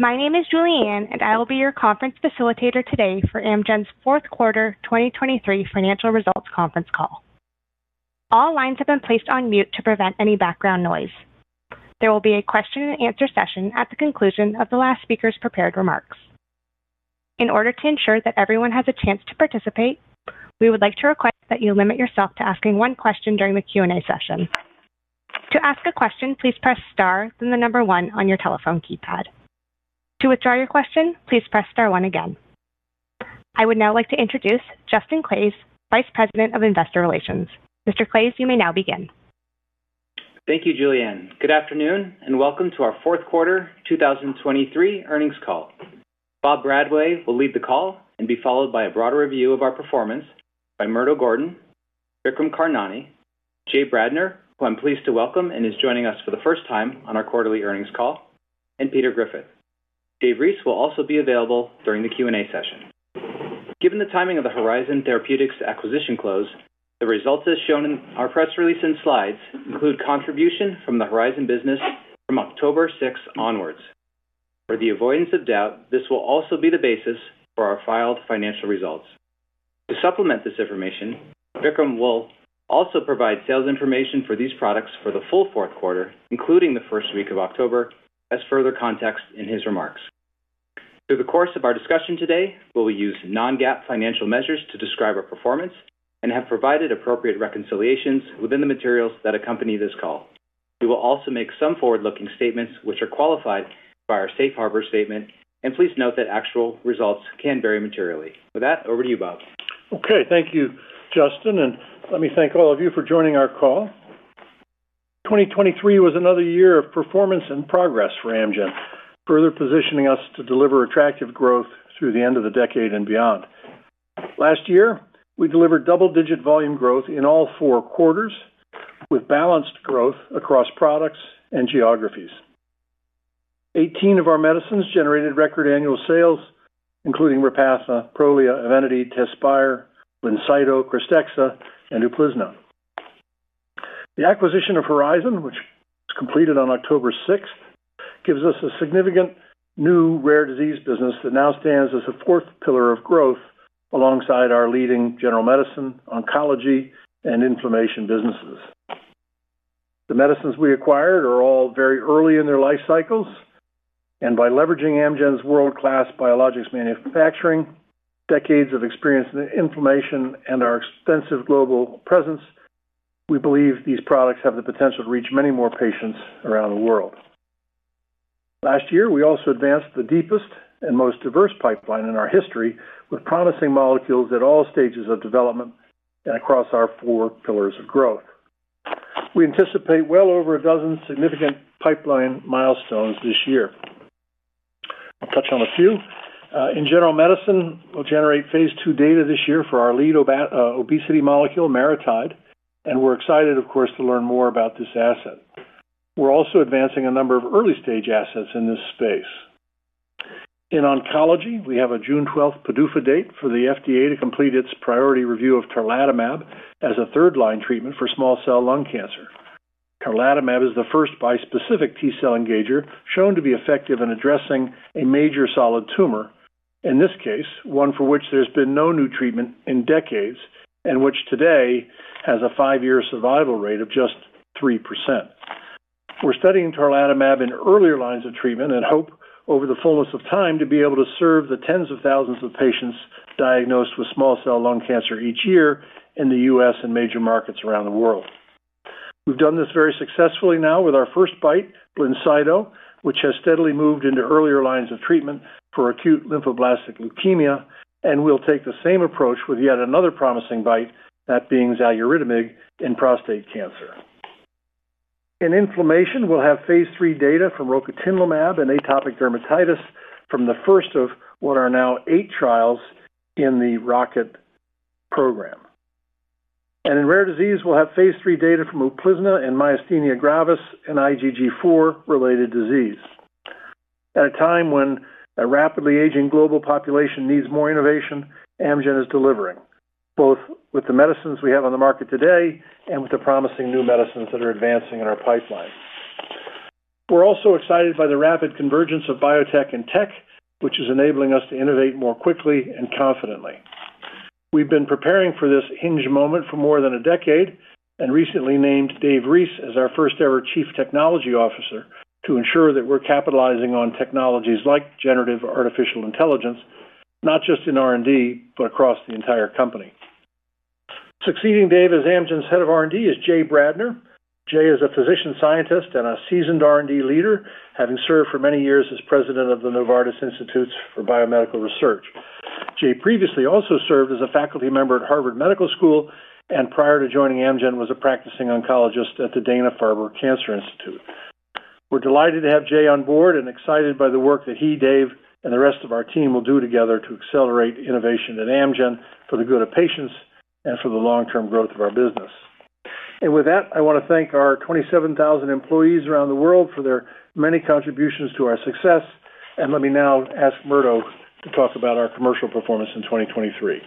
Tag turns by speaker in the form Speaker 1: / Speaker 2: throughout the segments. Speaker 1: My name is Julianne, and I will be your conference facilitator today for Amgen's fourth quarter 2023 financial results conference call. All lines have been placed on mute to prevent any background noise. There will be a question and answer session at the conclusion of the last speaker's prepared remarks. In order to ensure that everyone has a chance to participate, we would like to request that you limit yourself to asking one question during the Q&A session. To ask a question, please press star, then the number one on your telephone keypad. To withdraw your question, please press star one again. I would now like to introduce Justin Claeys, Vice President of Investor Relations. Mr. Claeys, you may now begin.
Speaker 2: Thank you, Julianne. Good afternoon, and welcome to our fourth quarter 2023 earnings call. Bob Bradway will lead the call and be followed by a broader review of our performance by Murdo Gordon, Vikram Karnani, Jay Bradner, who I'm pleased to welcome and is joining us for the first time on our quarterly earnings call, and Peter Griffith. Dave Reese will also be available during the Q&A session. Given the timing of the Horizon Therapeutics acquisition close, the results as shown in our press release and slides include contribution from the Horizon business from October 6 onwards. For the avoidance of doubt, this will also be the basis for our filed financial results. To supplement this information, Vikram will also provide sales information for these products for the full fourth quarter, including the first week of October, as further context in his remarks. Through the course of our discussion today, we'll use non-GAAP financial measures to describe our performance and have provided appropriate reconciliations within the materials that accompany this call. We will also make some forward-looking statements which are qualified by our safe harbor statement, and please note that actual results can vary materially. With that, over to you, Bob.
Speaker 3: Okay, thank you, Justin, and let me thank all of you for joining our call. 2023 was another year of performance and progress for Amgen, further positioning us to deliver attractive growth through the end of the decade and beyond. Last year, we delivered double-digit volume growth in all four quarters, with balanced growth across products and geographies. 18 of our medicines generated record annual sales, including Repatha, Prolia, Evenity, Tezspire, Blincyto, Krystexxa, and Uplizna. The acquisition of Horizon, which was completed on October 6, gives us a significant new rare disease business that now stands as a fourth pillar of growth alongside our leading general medicine, oncology, and inflammation businesses. The medicines we acquired are all very early in their life cycles, and by leveraging Amgen's world-class biologics manufacturing, decades of experience in inflammation, and our extensive global presence, we believe these products have the potential to reach many more patients around the world. Last year, we also advanced the deepest and most diverse pipeline in our history, with promising molecules at all stages of development and across our four pillars of growth. We anticipate well over 12 significant pipeline milestones this year. I'll touch on a few. In general medicine, we'll generate phase II data this year for our lead obesity molecule, MariTide, and we're excited, of course, to learn more about this asset. We're also advancing a number of early-stage assets in this space. In oncology, we have a June 12 PDUFA date for the FDA to complete its priority review of Tarlatamab as a third-line treatment for small cell lung cancer. Tarlatamab is the first bispecific T-cell engager shown to be effective in addressing a major solid tumor, in this case, one for which there's been no new treatment in decades and which today has a five-year survival rate of just 3%. We're studying Tarlatamab in earlier lines of treatment and hope, over the fullness of time, to be able to serve the tens of thousands of patients diagnosed with small cell lung cancer each year in the U.S. and major markets around the world. We've done this very successfully now with our first BiTE, Blincyto, which has steadily moved into earlier lines of treatment for acute lymphoblastic leukemia, and we'll take the same approach with yet another promising BiTE, that being Xaluritamig, in prostate cancer. In inflammation, we'll have phase III data from Rocatinlimab and atopic dermatitis from the first of what are now eight trials in the ROCKET program. In rare disease, we'll have phase III data from Uplizna and myasthenia gravis and IgG4-related disease. At a time when a rapidly aging global population needs more innovation, Amgen is delivering, both with the medicines we have on the market today and with the promising new medicines that are advancing in our pipeline. We're also excited by the rapid convergence of biotech and tech, which is enabling us to innovate more quickly and confidently. We've been preparing for this hinge moment for more than a decade and recently named Dave Reese as our first-ever Chief Technology Officer to ensure that we're capitalizing on technologies like generative artificial intelligence, not just in R&D, but across the entire company. Succeeding Dave as Amgen's Head of R&D is Jay Bradner. Jay is a physician, scientist, and a seasoned R&D leader, having served for many years as President of the Novartis Institutes for BioMedical Research. Jay previously also served as a faculty member at Harvard Medical School, and prior to joining Amgen, was a practicing oncologist at the Dana-Farber Cancer Institute. We're delighted to have Jay on board and excited by the work that he, Dave, and the rest of our team will do together to accelerate innovation at Amgen for the good of patients and for the long-term growth of our business. With that, I want to thank our 27,000 employees around the world for their many contributions to our success, and let me now ask Murdo to talk about our commercial performance in 2023.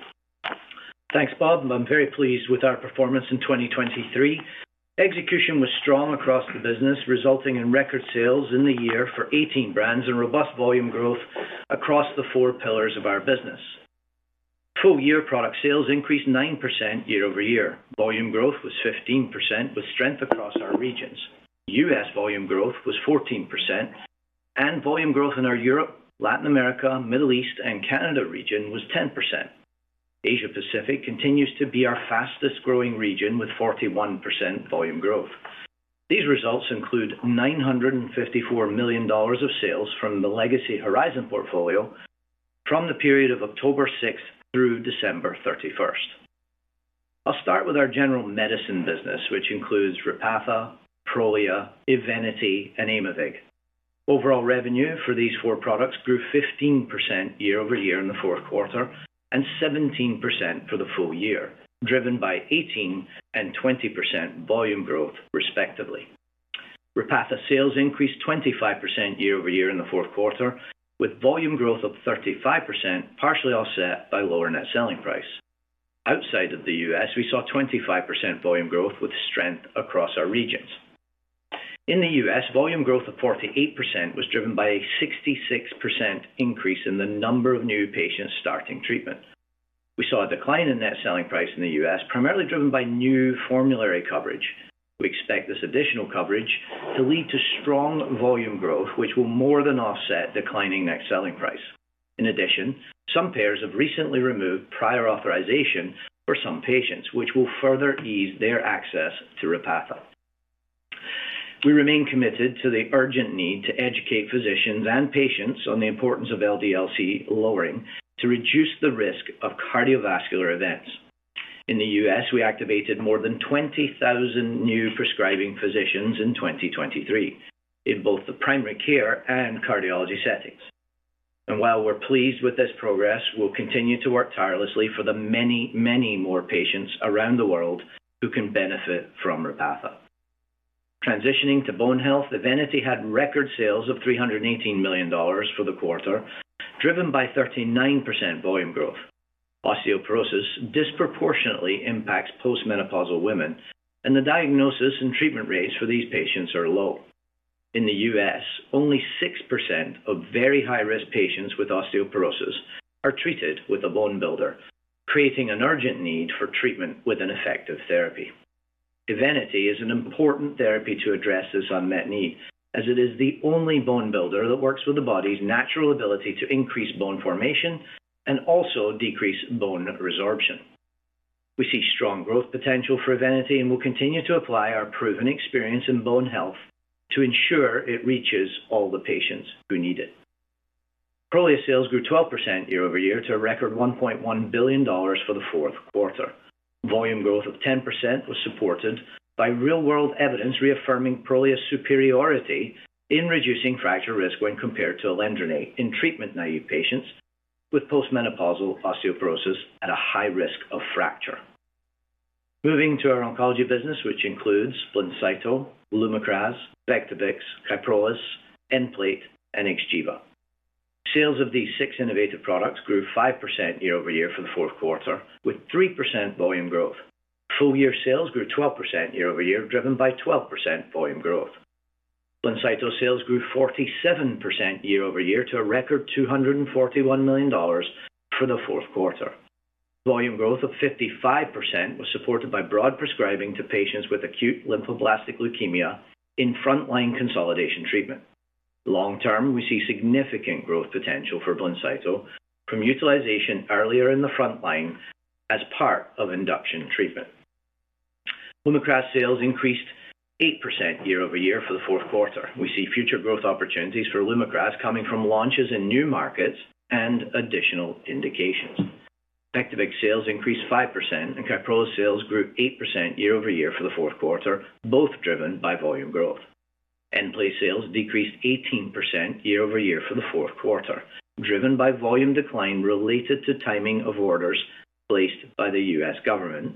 Speaker 4: Thanks, Bob. I'm very pleased with our performance in 2023. Execution was strong across the business, resulting in record sales in the year for 18 brands and robust volume growth across the four pillars of our business. Full-year product sales increased 9% year-over-year. Volume growth was 15%, with strength across our regions. U.S. volume growth was 14%, and volume growth in our Europe, Latin America, Middle East, and Canada region was 10%. Asia Pacific continues to be our fastest-growing region, with 41% volume growth. These results include $954 million of sales from the legacy Horizon portfolio from the period of October 6 through December 31st. I'll start with our general medicine business, which includes Repatha, Prolia, Evenity, and Aimovig. Overall revenue for these four products grew 15% year-over-year in the fourth quarter and 17% for the full-year, driven by 18% and 20% volume growth, respectively. Repatha sales increased 25% year-over-year in the fourth quarter, with volume growth of 35%, partially offset by lower net selling price. Outside of the U.S., we saw 25% volume growth, with strength across our regions. In the U.S., volume growth of 48% was driven by a 66% increase in the number of new patients starting treatment. We saw a decline in net selling price in the U.S., primarily driven by new formulary coverage. We expect this additional coverage to lead to strong volume growth, which will more than offset declining net selling price. In addition, some payers have recently removed prior authorization for some patients, which will further ease their access to Repatha. We remain committed to the urgent need to educate physicians and patients on the importance of LDL-C lowering to reduce the risk of cardiovascular events. In the U.S., we activated more than 20,000 new prescribing physicians in 2023 in both the primary care and cardiology settings. And while we're pleased with this progress, we'll continue to work tirelessly for the many, many more patients around the world who can benefit from Repatha. Transitioning to bone health, Evenity had record sales of $318 million for the quarter, driven by 39% volume growth. Osteoporosis disproportionately impacts postmenopausal women, and the diagnosis and treatment rates for these patients are low. In the U.S., only 6% of very high-risk patients with osteoporosis are treated with a bone builder, creating an urgent need for treatment with an effective therapy. Evenity is an important therapy to address this unmet need, as it is the only bone builder that works with the body's natural ability to increase bone formation and also decrease bone resorption. We see strong growth potential for Evenity and will continue to apply our proven experience in bone health to ensure it reaches all the patients who need it. Prolia sales grew 12% year-over-year to a record $1.1 billion for the fourth quarter. Volume growth of 10% was supported by real-world evidence, reaffirming Prolia's superiority in reducing fracture risk when compared to alendronate in treatment-naive patients with postmenopausal osteoporosis at a high risk of fracture. Moving to our oncology business, which includes Blincyto, Lumakras, Vectibix, Kyprolis, Nplate, and Xgeva. Sales of these six innovative products grew 5% year-over-year for the fourth quarter, with 3% volume growth. Full-year sales grew 12% year-over-year, driven by 12% volume growth. Blincyto sales grew 47% year-over-year to a record $241 million for the fourth quarter. Volume growth of 55% was supported by broad prescribing to patients with acute lymphoblastic leukemia in frontline consolidation treatment. Long term, we see significant growth potential for Blincyto from utilization earlier in the frontline as part of induction treatment. Lumakras sales increased 8% year-over-year for the fourth quarter. We see future growth opportunities for Lumakras coming from launches in new markets and additional indications. Vectibix sales increased 5%, and Kyprolis sales grew 8% year-over-year for the fourth quarter, both driven by volume growth. Nplate sales decreased 18% year-over-year for the fourth quarter, driven by volume decline related to timing of orders placed by the U.S. government,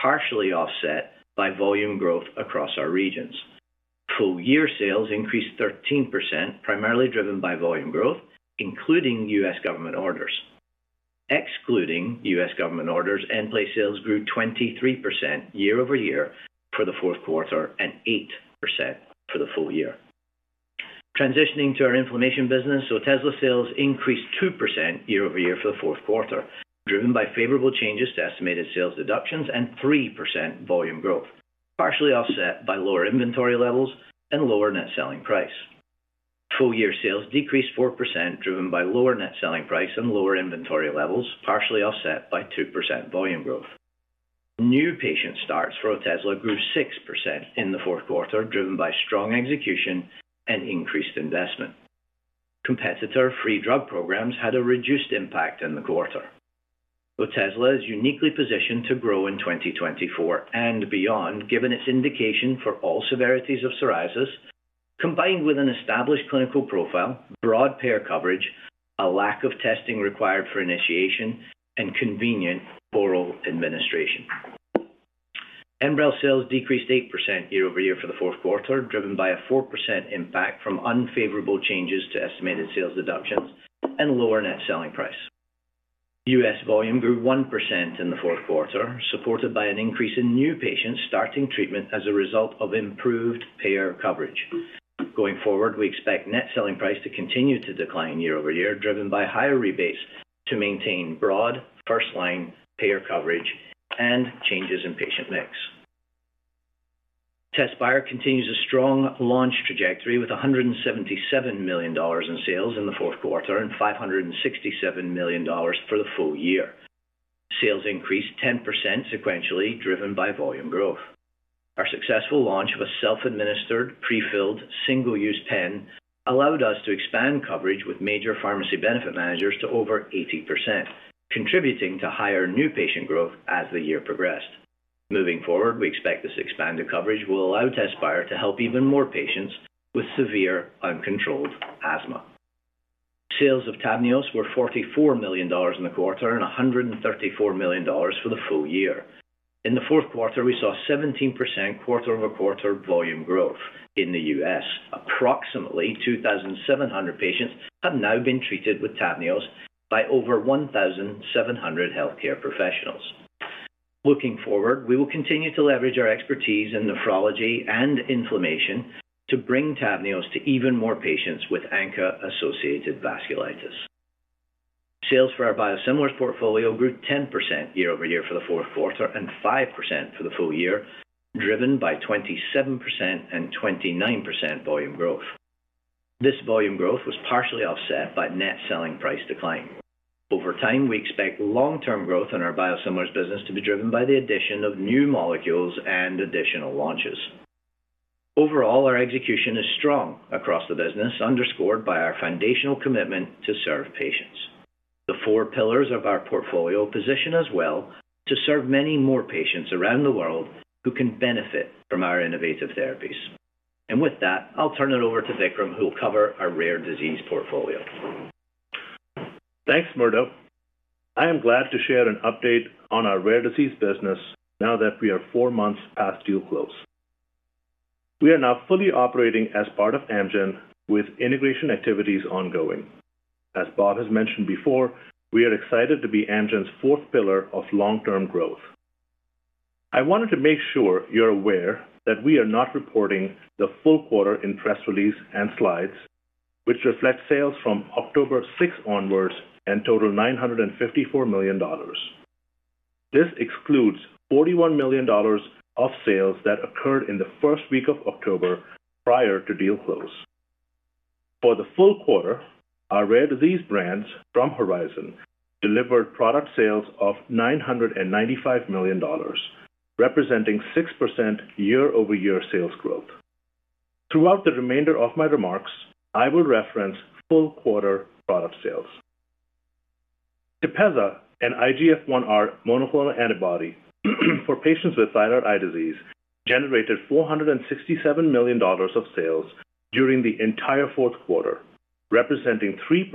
Speaker 4: partially offset by volume growth across our regions. Full-year sales increased 13%, primarily driven by volume growth, including U.S. government orders. Excluding U.S. government orders, Nplate sales grew 23% year-over-year for the fourth quarter and 8% for the full-year. Transitioning to our inflammation business, Otezla sales increased 2% year-over-year for the fourth quarter, driven by favorable changes to estimated sales deductions and 3% volume growth, partially offset by lower inventory levels and lower net selling price. Full-year sales decreased 4%, driven by lower net selling price and lower inventory levels, partially offset by 2% volume growth. New patient starts for Otezla grew 6% in the fourth quarter, driven by strong execution and increased investment. Competitor-free drug programs had a reduced impact in the quarter. Otezla is uniquely positioned to grow in 2024 and beyond, given its indication for all severities of psoriasis, combined with an established clinical profile, broad payer coverage, a lack of testing required for initiation, and convenient oral administration. Enbrel sales decreased 8% year-over-year for the fourth quarter, driven by a 4% impact from unfavorable changes to estimated sales deductions and lower net selling price. U.S. volume grew 1% in the fourth quarter, supported by an increase in new patients starting treatment as a result of improved payer coverage. Going forward, we expect net selling price to continue to decline year-over-year, driven by higher rebates to maintain broad first-line payer coverage and changes in patient mix. Tezspire continues a strong launch trajectory, with $177 million in sales in the fourth quarter and $567 million for the full-year. Sales increased 10% sequentially, driven by volume growth. Our successful launch of a self-administered, prefilled, single-use pen allowed us to expand coverage with major pharmacy benefit managers to over 80%, contributing to higher new patient growth as the year progressed. Moving forward, we expect this expanded coverage will allow Tezspire to help even more patients with severe uncontrolled asthma. Sales of Tavneos were $44 million in the quarter and $134 million for the full-year. In the fourth quarter, we saw 17% quarter-over-quarter volume growth in the U.S. Approximately 2,700 patients have now been treated with Tavneos by over 1,700 healthcare professionals. Looking forward, we will continue to leverage our expertise in nephrology and inflammation to bring Tavneos to even more patients with ANCA-associated vasculitis. Sales for our biosimilars portfolio grew 10% year-over-year for the fourth quarter and 5% for the full-year, driven by 27% and 29% volume growth. This volume growth was partially offset by net selling price decline. Over time, we expect long-term growth in our biosimilars business to be driven by the addition of new molecules and additional launches. Overall, our execution is strong across the business, underscored by our foundational commitment to serve patients. The four pillars of our portfolio position us well to serve many more patients around the world who can benefit from our innovative therapies. With that, I'll turn it over to Vikram, who will cover our rare disease portfolio.
Speaker 5: Thanks, Murdo. I am glad to share an update on our rare disease business now that we are four months past deal close. We are now fully operating as part of Amgen, with integration activities ongoing. As Bob has mentioned before, we are excited to be Amgen's fourth pillar of long-term growth. I wanted to make sure you're aware that we are not reporting the full quarter in press release and slides, which reflect sales from October 6 onwards and total $954 million. This excludes $41 million of sales that occurred in the first week of October prior to deal close. For the full quarter, our rare disease brands from Horizon delivered product sales of $995 million, representing 6% year-over-year sales growth. Throughout the remainder of my remarks, I will reference full quarter product sales. Tepezza, an IGF-1R monoclonal antibody for patients with thyroid eye disease, generated $467 million of sales during the entire fourth quarter, representing 3%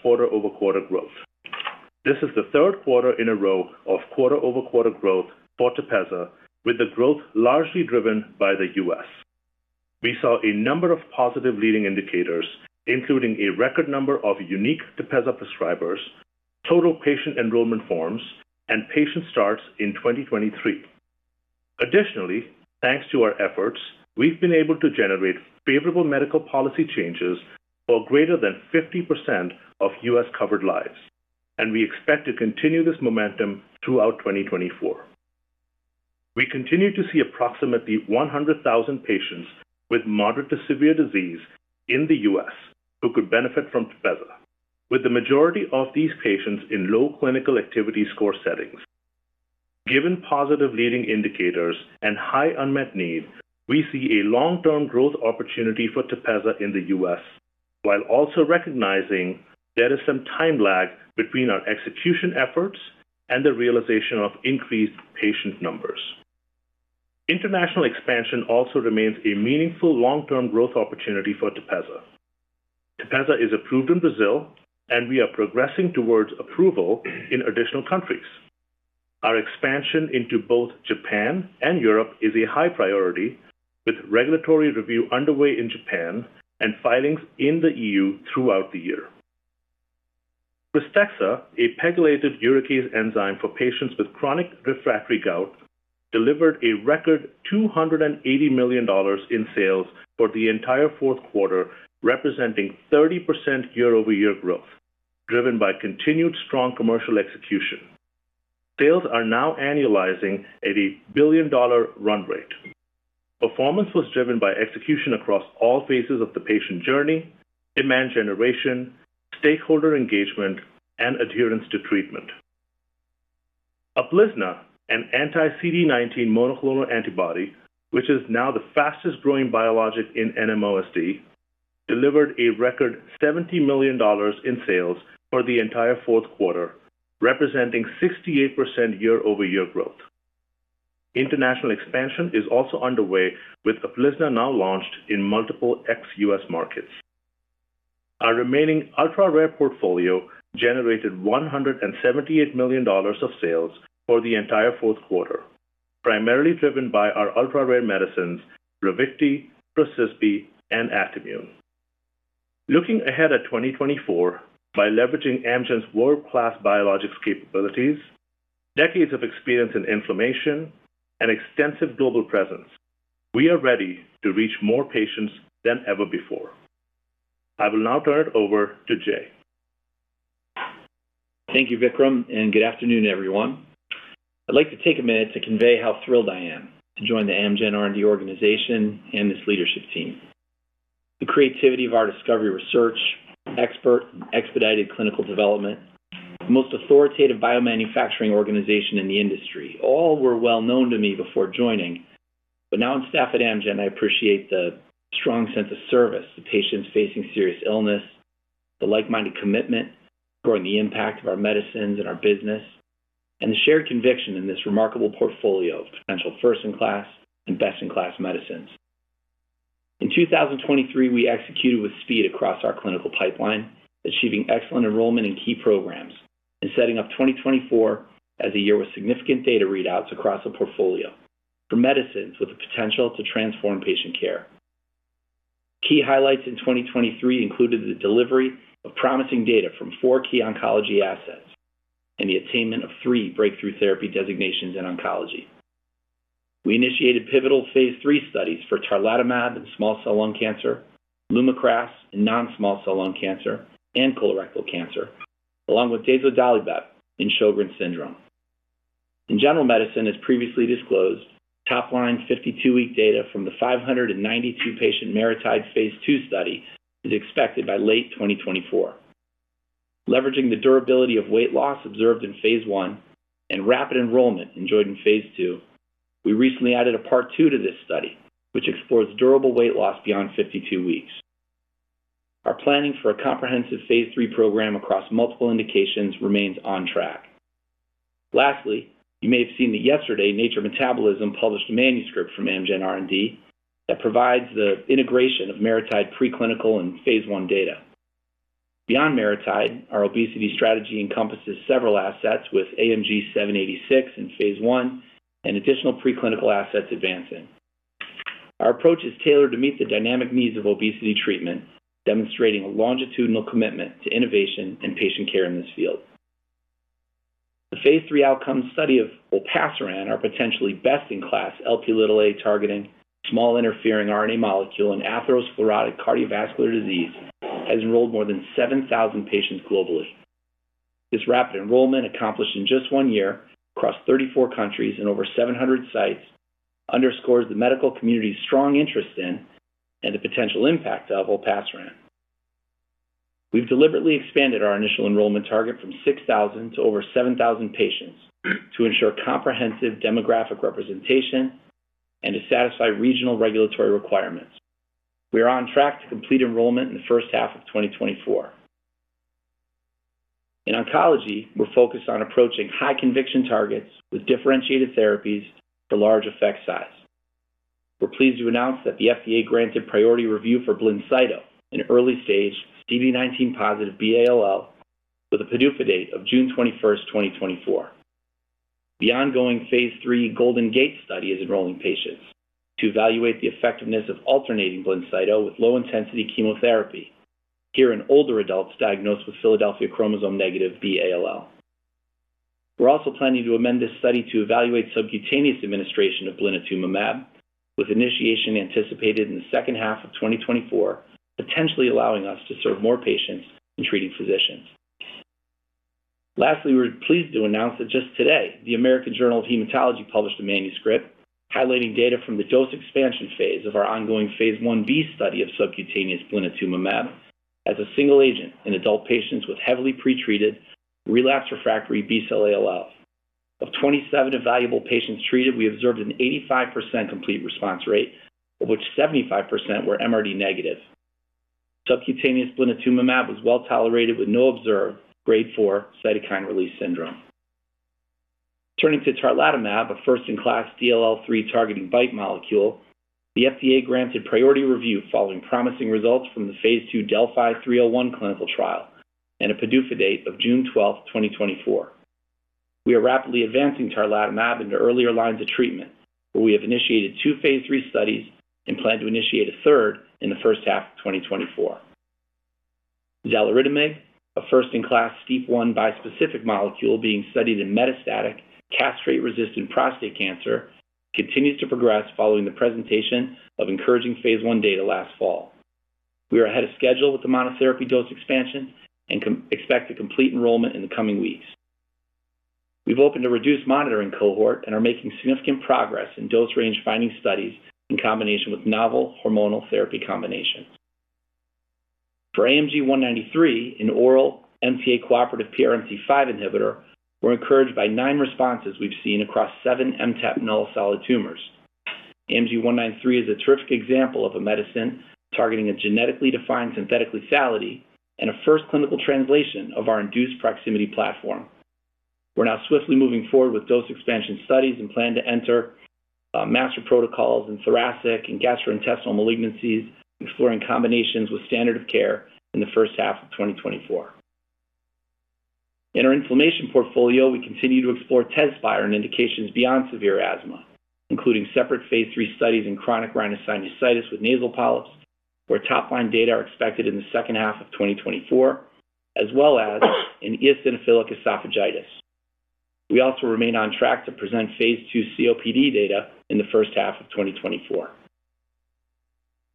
Speaker 5: quarter-over-quarter growth. This is the third quarter in a row of quarter-over-quarter growth for Tepezza, with the growth largely driven by the U.S. We saw a number of positive leading indicators, including a record number of unique Tepezza prescribers, total patient enrollment forms, and patient starts in 2023. Additionally, thanks to our efforts, we've been able to generate favorable medical policy changes for greater than 50% of U.S.-covered lives, and we expect to continue this momentum throughout 2024. We continue to see approximately 100,000 patients with moderate to severe disease in the U.S. who could benefit from Tepezza, with the majority of these patients in low clinical activity score settings. Given positive leading indicators and high unmet need, we see a long-term growth opportunity for Tepezza in the US, while also recognizing there is some time lag between our execution efforts and the realization of increased patient numbers. International expansion also remains a meaningful long-term growth opportunity for Tepezza. Tepezza is approved in Brazil, and we are progressing towards approval in additional countries. Our expansion into both Japan and Europe is a high priority, with regulatory review underway in Japan and filings in the EU throughout the year. Krystexxa, a pegylated uricase enzyme for patients with chronic refractory gout, delivered a record $280 million in sales for the entire fourth quarter, representing 30% year-over-year growth, driven by continued strong commercial execution. Sales are now annualizing at a billion-dollar run rate. Performance was driven by execution across all phases of the patient journey, demand generation, stakeholder engagement, and adherence to treatment. Uplizna, an anti-CD19 monoclonal antibody, which is now the fastest-growing biologic in NMOSD, delivered a record $70 million in sales for the entire fourth quarter, representing 68% year-over-year growth. International expansion is also underway, with Uplizna now launched in multiple ex-US markets. Our remaining ultra-rare portfolio generated $178 million of sales for the entire fourth quarter, primarily driven by our ultra-rare medicines, Ravicti, Procysbi, and Actimmune. Looking ahead at 2024, by leveraging Amgen's world-class biologics capabilities, decades of experience in inflammation, and extensive global presence, we are ready to reach more patients than ever before. I will now turn it over to Jay.
Speaker 6: Thank you, Vikram, and good afternoon, everyone. I'd like to take a minute to convey how thrilled I am to join the Amgen R&D organization and this leadership team. The creativity of our discovery research, expert and expedited clinical development, the most authoritative biomanufacturing organization in the industry, all were well known to me before joining. But now on staff at Amgen, I appreciate the strong sense of service to patients facing serious illness, the like-minded commitment to growing the impact of our medicines and our business, and the shared conviction in this remarkable portfolio of potential first-in-class and best-in-class medicines. In 2023, we executed with speed across our clinical pipeline, achieving excellent enrollment in key programs and setting up 2024 as a year with significant data readouts across the portfolio for medicines with the potential to transform patient care. Key highlights in 2023 included the delivery of promising data from four key oncology assets and the attainment of three breakthrough therapy designations in oncology. We initiated pivotal phase III studies for Tarlatamab in small cell lung cancer, Lumakras in non-small cell lung cancer and colorectal cancer, along with dazodalibep in Sjögren's syndrome. In general medicine, as previously disclosed, top line 52-week data from the 592 patient MariTide phase II study is expected by late 2024. Leveraging the durability of weight loss observed in phase I and rapid enrollment enjoyed in phase II, we recently added a Part II to this study, which explores durable weight loss beyond 52 weeks. Our planning for a comprehensive phase III program across multiple indications remains on track. Lastly, you may have seen that yesterday, Nature Metabolism published a manuscript from Amgen R&D that provides the integration of MariTide preclinical and phase I data. Beyond MariTide, our obesity strategy encompasses several assets, with AMG 786 in phase I and additional preclinical assets advancing. Our approach is tailored to meet the dynamic needs of obesity treatment, demonstrating a longitudinal commitment to innovation and patient care in this field. The phase III outcome study of Olpasiran, our potentially best-in-class Lp(a) targeting small interfering RNA molecule in atherosclerotic cardiovascular disease, has enrolled more than 7,000 patients globally. This rapid enrollment, accomplished in just one year across 34 countries and over 700 sites, underscores the medical community's strong interest in and the potential impact of Olpasiran. We've deliberately expanded our initial enrollment target from 6,000 to over 7,000 patients to ensure comprehensive demographic representation and to satisfy regional regulatory requirements. We are on track to complete enrollment in the first half of 2024. In oncology, we're focused on approaching high conviction targets with differentiated therapies for large effect size. We're pleased to announce that the FDA granted priority review for Blincyto in early-stage CD19 positive B-ALL, with a PDUFA date of June 21st, 2024. The ongoing phase III Golden Gate study is enrolling patients to evaluate the effectiveness of alternating Blincyto with low-intensity chemotherapy, here in older adults diagnosed with Philadelphia chromosome negative B-ALL. We're also planning to amend this study to evaluate subcutaneous administration of Blinatumomab, with initiation anticipated in the second half of 2024, potentially allowing us to serve more patients and treating physicians. Lastly, we're pleased to announce that just today, the American Journal of Hematology published a manuscript highlighting data from the dose expansion phase of our ongoing phase Ib study of subcutaneous Blinatumomab as a single agent in adult patients with heavily pretreated, relapsed/refractory B-cell ALL. Of 27 evaluable patients treated, we observed an 85% complete response rate, of which 75% were MRD negative. Subcutaneous Blinatumomab was well tolerated with no observed Grade 4 cytokine release syndrome. Turning to Tarlatamab, a first-in-class DLL3 targeting BiTE molecule, the FDA granted priority review following promising results from the phase II Delphi 301 clinical trial and a PDUFA date of June 12th, 2024. We are rapidly advancing Tarlatamab into earlier lines of treatment, where we have initiated two phase III studies and plan to initiate a third in the first half of 2024. Xaluritamig, a first-in-class STEAP1 bispecific molecule being studied in metastatic, castrate-resistant prostate cancer, continues to progress following the presentation of encouraging phase I data last fall. We are ahead of schedule with the monotherapy dose expansion and combo, expect to complete enrollment in the coming weeks. We've opened a reduced monitoring cohort and are making significant progress in dose range finding studies in combination with novel hormonal therapy combinations. For AMG 193, an oral MTA-cooperative PRMT5 inhibitor, we're encouraged by nine responses we've seen across seven MTAP-null solid tumors. AMG 193 is a terrific example of a medicine targeting a genetically defined synthetic lethality and a first clinical translation of our induced proximity platform. We're now swiftly moving forward with dose expansion studies and plan to enter master protocols in thoracic and gastrointestinal malignancies, exploring combinations with standard of care in the first half of 2024. In our inflammation portfolio, we continue to explore Tezspire and indications beyond severe asthma, including separate phase III studies in chronic rhinosinusitis with nasal polyps, where top-line data are expected in the second half of 2024, as well as in eosinophilic esophagitis. We also remain on track to present phase II COPD data in the first half of 2024.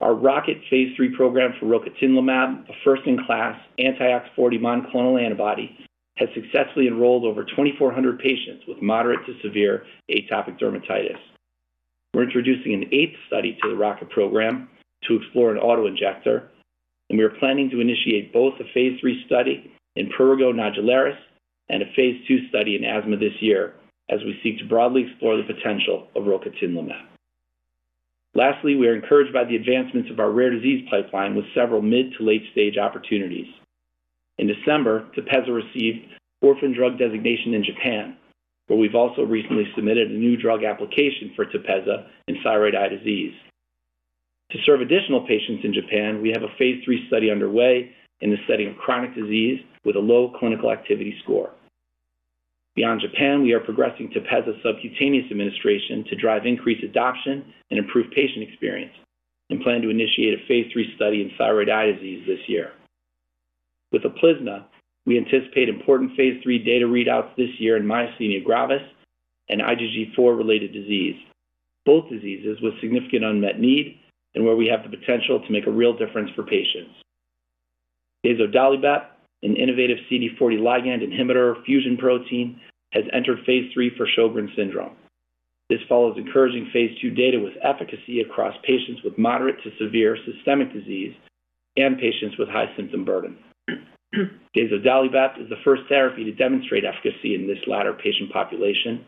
Speaker 6: Our ROCKET phase III program for Rocatinlimab, a first-in-class anti-OX40 monoclonal antibody, has successfully enrolled over 2,400 patients with moderate to severe atopic dermatitis. We're introducing an eighth study to the ROCKET program to explore an auto injector, and we are planning to initiate both a phase III study in prurigo nodularis and a phase II study in asthma this year as we seek to broadly explore the potential of Rocatinlimab. Lastly, we are encouraged by the advancements of our rare disease pipeline with several mid- to late-stage opportunities. In December, Tepezza received orphan drug designation in Japan, but we've also recently submitted a new drug application for Tepezza in thyroid eye disease. To serve additional patients in Japan, we have a phase III study underway in the study of chronic disease with a low clinical activity score. Beyond Japan, we are progressing Tepezza subcutaneous administration to drive increased adoption and improve patient experience, and plan to initiate a phase III study in thyroid eye disease this year. With Uplizna, we anticipate important phase III data readouts this year in myasthenia gravis and IgG4-related disease, both diseases with significant unmet need and where we have the potential to make a real difference for patients. Dazodalibep, an innovative CD40 ligand inhibitor fusion protein, has entered phase III for Sjögren's syndrome. This follows encouraging phase II data with efficacy across patients with moderate to severe systemic disease and patients with high symptom burden. Dazodalibep is the first therapy to demonstrate efficacy in this latter patient population.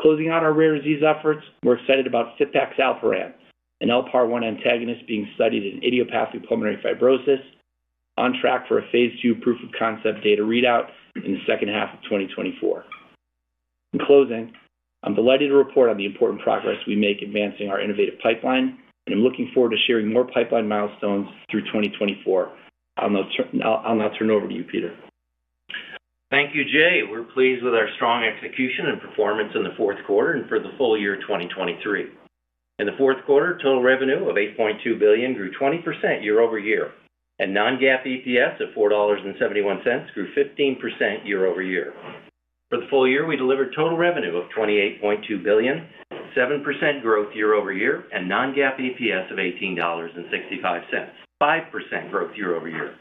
Speaker 6: Closing out our rare disease efforts, we're excited about Fipaxalparant, an LPAR-1 antagonist being studied in idiopathic pulmonary fibrosis, on track for a phase II proof of concept data readout in the second half of 2024. In closing, I'm delighted to report on the important progress we make advancing our innovative pipeline, and I'm looking forward to sharing more pipeline milestones through 2024. I'll now turn it over to you, Peter.
Speaker 7: Thank you, Jay. We're pleased with our strong execution and performance in the fourth quarter and for the full-year 2023. In the fourth quarter, total revenue of $8.2 billion grew 20% year-over-year, and non-GAAP EPS of $4.71 grew 15% year-over-year. For the full-year, we delivered total revenue of $28.2 billion, 7% growth year-over-year, and non-GAAP EPS of $18.65, 5% growth year-over-year.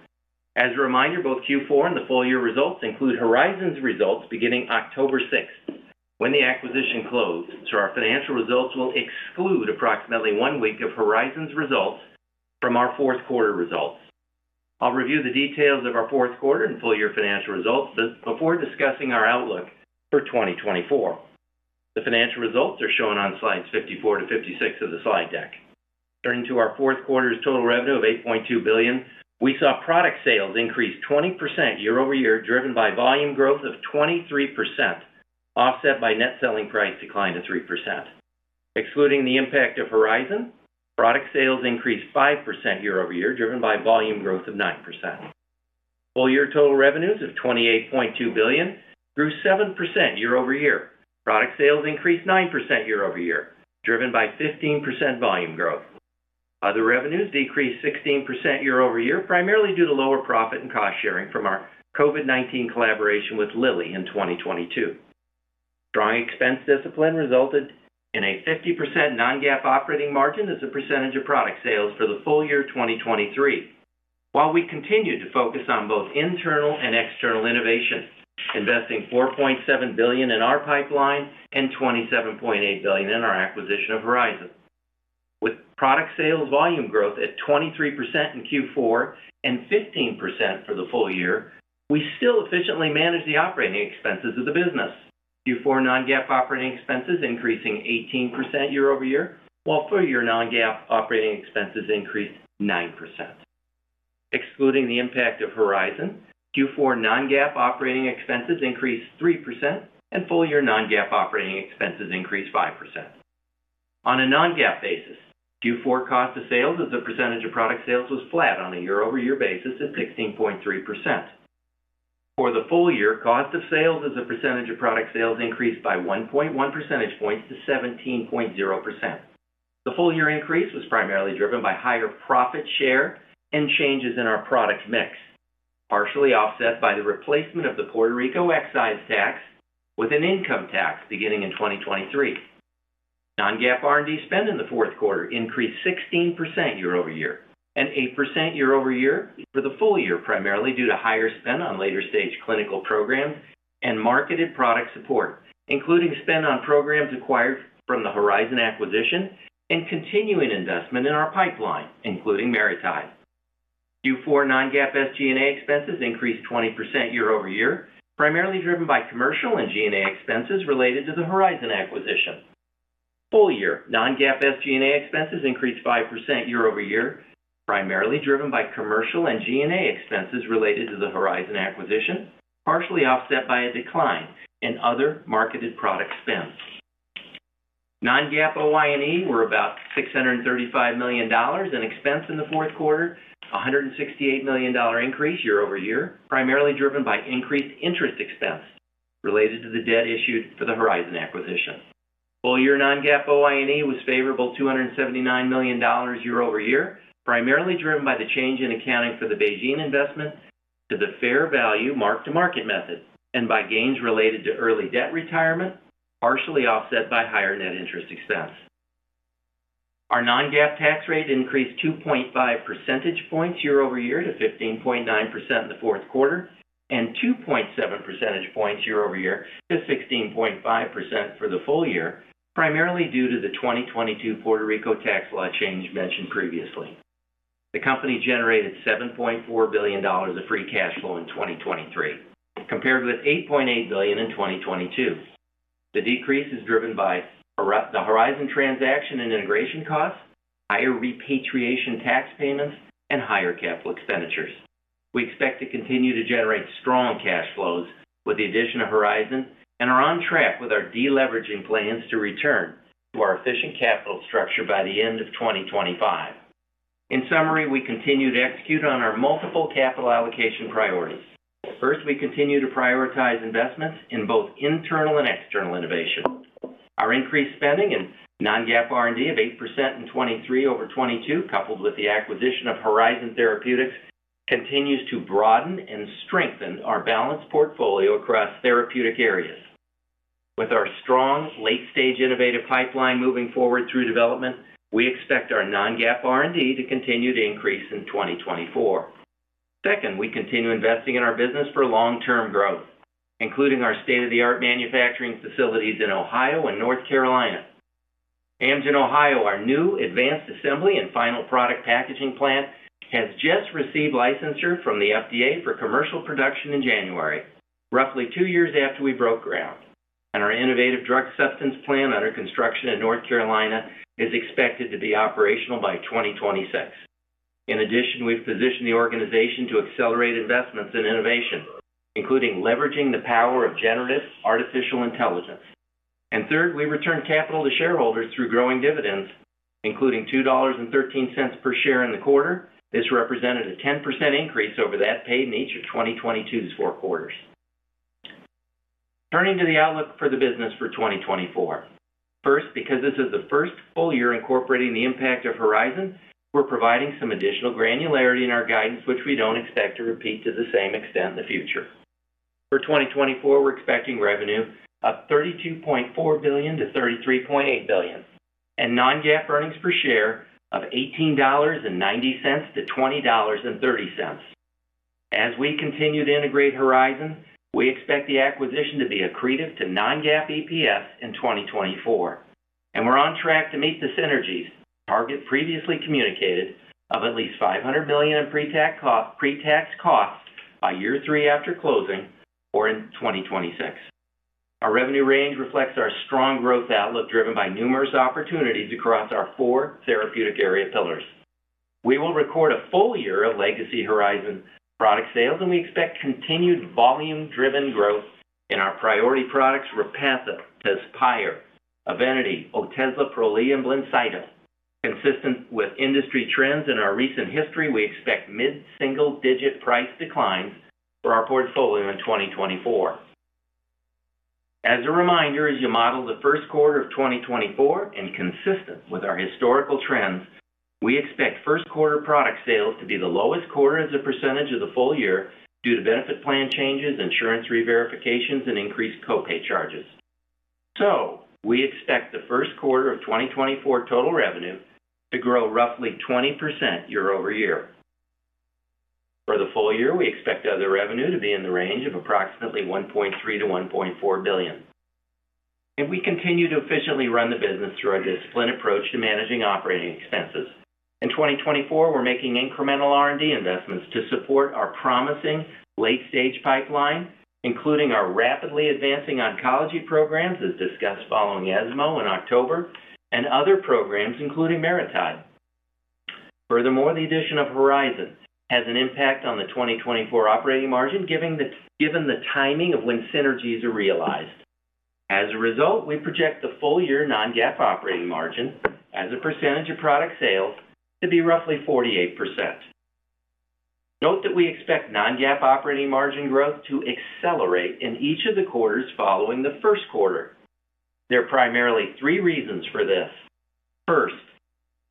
Speaker 7: As a reminder, both Q4 and the full-year results include Horizon's results beginning October 6, when the acquisition closed. So our financial results will exclude approximately one week of Horizon's results from our fourth quarter results. I'll review the details of our fourth quarter and full-year financial results before discussing our outlook for 2024. The financial results are shown on slides 54-56 of the slide deck. Turning to our fourth quarter's total revenue of $8.2 billion, we saw product sales increase 20% year-over-year, driven by volume growth of 23%, offset by net selling price decline of 3%. Excluding the impact of Horizon, product sales increased 5% year-over-year, driven by volume growth of 9%. Full-year total revenues of $28.2 billion grew 7% year-over-year. Product sales increased 9% year-over-year, driven by 15% volume growth. Other revenues decreased 16% year-over-year, primarily due to lower profit and cost sharing from our COVID-19 collaboration with Lilly in 2022. Strong expense discipline resulted in a 50% non-GAAP operating margin as a percentage of product sales for the full-year 2023. While we continued to focus on both internal and external innovation, investing $4.7 billion in our pipeline and $27.8 billion in our acquisition of Horizon. With product sales volume growth at 23% in Q4 and 15% for the full-year, we still efficiently manage the operating expenses of the business. Q4 non-GAAP operating expenses increasing 18% year-over-year, while full-year non-GAAP operating expenses increased 9%. Excluding the impact of Horizon, Q4 non-GAAP operating expenses increased 3% and full-year non-GAAP operating expenses increased 5%. On a non-GAAP basis, Q4 cost of sales as a percentage of product sales was flat on a year-over-year basis at 16.3%. For the full-year, cost of sales as a percentage of product sales increased by 1.1 percentage points to 17.0%. The full-year increase was primarily driven by higher profit share and changes in our product mix, partially offset by the replacement of the Puerto Rico excise tax with an income tax beginning in 2023. Non-GAAP R&D spend in the fourth quarter increased 16% year-over-year and 8% year-over-year for the full-year, primarily due to higher spend on later-stage clinical programs and marketed product support, including spend on programs acquired from the Horizon acquisition and continuing investment in our pipeline, including MariTide. Q4 non-GAAP SG&A expenses increased 20% year-over-year, primarily driven by commercial and G&A expenses related to the Horizon acquisition. Full-year non-GAAP SG&A expenses increased 5% year-over-year, primarily driven by commercial and G&A expenses related to the Horizon acquisition, partially offset by a decline in other marketed product spends. Non-GAAP OI&E were about $635 million in expense in the fourth quarter, a $168 million increase year-over-year, primarily driven by increased interest expense related to the debt issued for the Horizon acquisition. full-year non-GAAP OI&E was favorable, $279 million year-over-year, primarily driven by the change in accounting for the Beijing investment to the fair value mark-to-market method, and by gains related to early debt retirement, partially offset by higher net interest expense. Our non-GAAP tax rate increased 2.5 percentage points year-over-year to 15.9% in the fourth quarter, and 2.7 percentage points year-over-year to 16.5% for the full-year, primarily due to the 2022 Puerto Rico tax law change mentioned previously. The company generated $7.4 billion of free cash flow in 2023, compared with $8.8 billion in 2022. The decrease is driven by the Horizon transaction and integration costs, higher repatriation tax payments, and higher capital expenditures. We expect to continue to generate strong cash flows with the addition of Horizon and are on track with our deleveraging plans to return to our efficient capital structure by the end of 2025. In summary, we continue to execute on our multiple capital allocation priorities. First, we continue to prioritize investments in both internal and external innovation. Our increased spending in non-GAAP R&D of 8% in 2023 over 2022, coupled with the acquisition of Horizon Therapeutics, continues to broaden and strengthen our balanced portfolio across therapeutic areas. With our strong late-stage innovative pipeline moving forward through development, we expect our non-GAAP R&D to continue to increase in 2024. Second, we continue investing in our business for long-term growth, including our state-of-the-art manufacturing facilities in Ohio and North Carolina. Amgen Ohio, our new advanced assembly and final product packaging plant, has just received licensure from the FDA for commercial production in January, roughly two years after we broke ground, and our innovative drug substance plant under construction in North Carolina is expected to be operational by 2026. In addition, we've positioned the organization to accelerate investments in innovation, including leveraging the power of generative artificial intelligence. And third, we return capital to shareholders through growing dividends, including $2.13 per share in the quarter. This represented a 10% increase over that paid in each of 2022's four quarters. Turning to the outlook for the business for 2024. First, because this is the first full-year incorporating the impact of Horizon, we're providing some additional granularity in our guidance, which we don't expect to repeat to the same extent in the future. For 2024, we're expecting revenue of $32.4 billion-$33.8 billion, and non-GAAP earnings per share of $18.90-$20.30. As we continue to integrate Horizon, we expect the acquisition to be accretive to non-GAAP EPS in 2024, and we're on track to meet the synergies target previously communicated of at least $500 million in pre-tax costs by year three after closing or in 2026. Our revenue range reflects our strong growth outlook, driven by numerous opportunities across our four therapeutic area pillars. We will record a full-year of legacy Horizon product sales, and we expect continued volume-driven growth in our priority products, Repatha, Tezspire, Evenity, Otezla, Prolia, and Blincyto. Consistent with industry trends in our recent history, we expect mid-single-digit price declines for our portfolio in 2024. As a reminder, as you model the first quarter of 2024, and consistent with our historical trends, we expect first quarter product sales to be the lowest quarter as a percentage of the full-year due to benefit plan changes, insurance reverifications, and increased co-pay charges. So we expect the first quarter of 2024 total revenue to grow roughly 20% year-over-year. For the full-year, we expect other revenue to be in the range of approximately $1.3 billion-$1.4 billion. We continue to efficiently run the business through our disciplined approach to managing operating expenses. In 2024, we're making incremental R&D investments to support our promising late-stage pipeline, including our rapidly advancing oncology programs, as discussed following ESMO in October, and other programs, including MariTide. Furthermore, the addition of Horizon has an impact on the 2024 operating margin, given the timing of when synergies are realized. As a result, we project the full-year non-GAAP operating margin as a percentage of product sales to be roughly 48%. Note that we expect non-GAAP operating margin growth to accelerate in each of the quarters following the first quarter. There are primarily three reasons for this. First,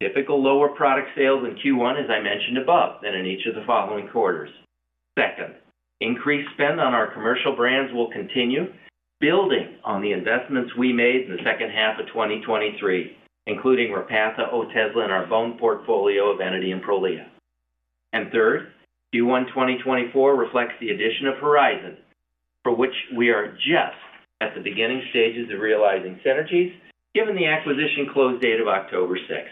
Speaker 7: typical lower product sales in Q1, as I mentioned above, than in each of the following quarters. Second, increased spend on our commercial brands will continue, building on the investments we made in the second half of 2023, including Repatha, Otezla, and our bone portfolio of Evenity and Prolia. And third, Q1 2024 reflects the addition of Horizon, for which we are just at the beginning stages of realizing synergies, given the acquisition close date of October sixth.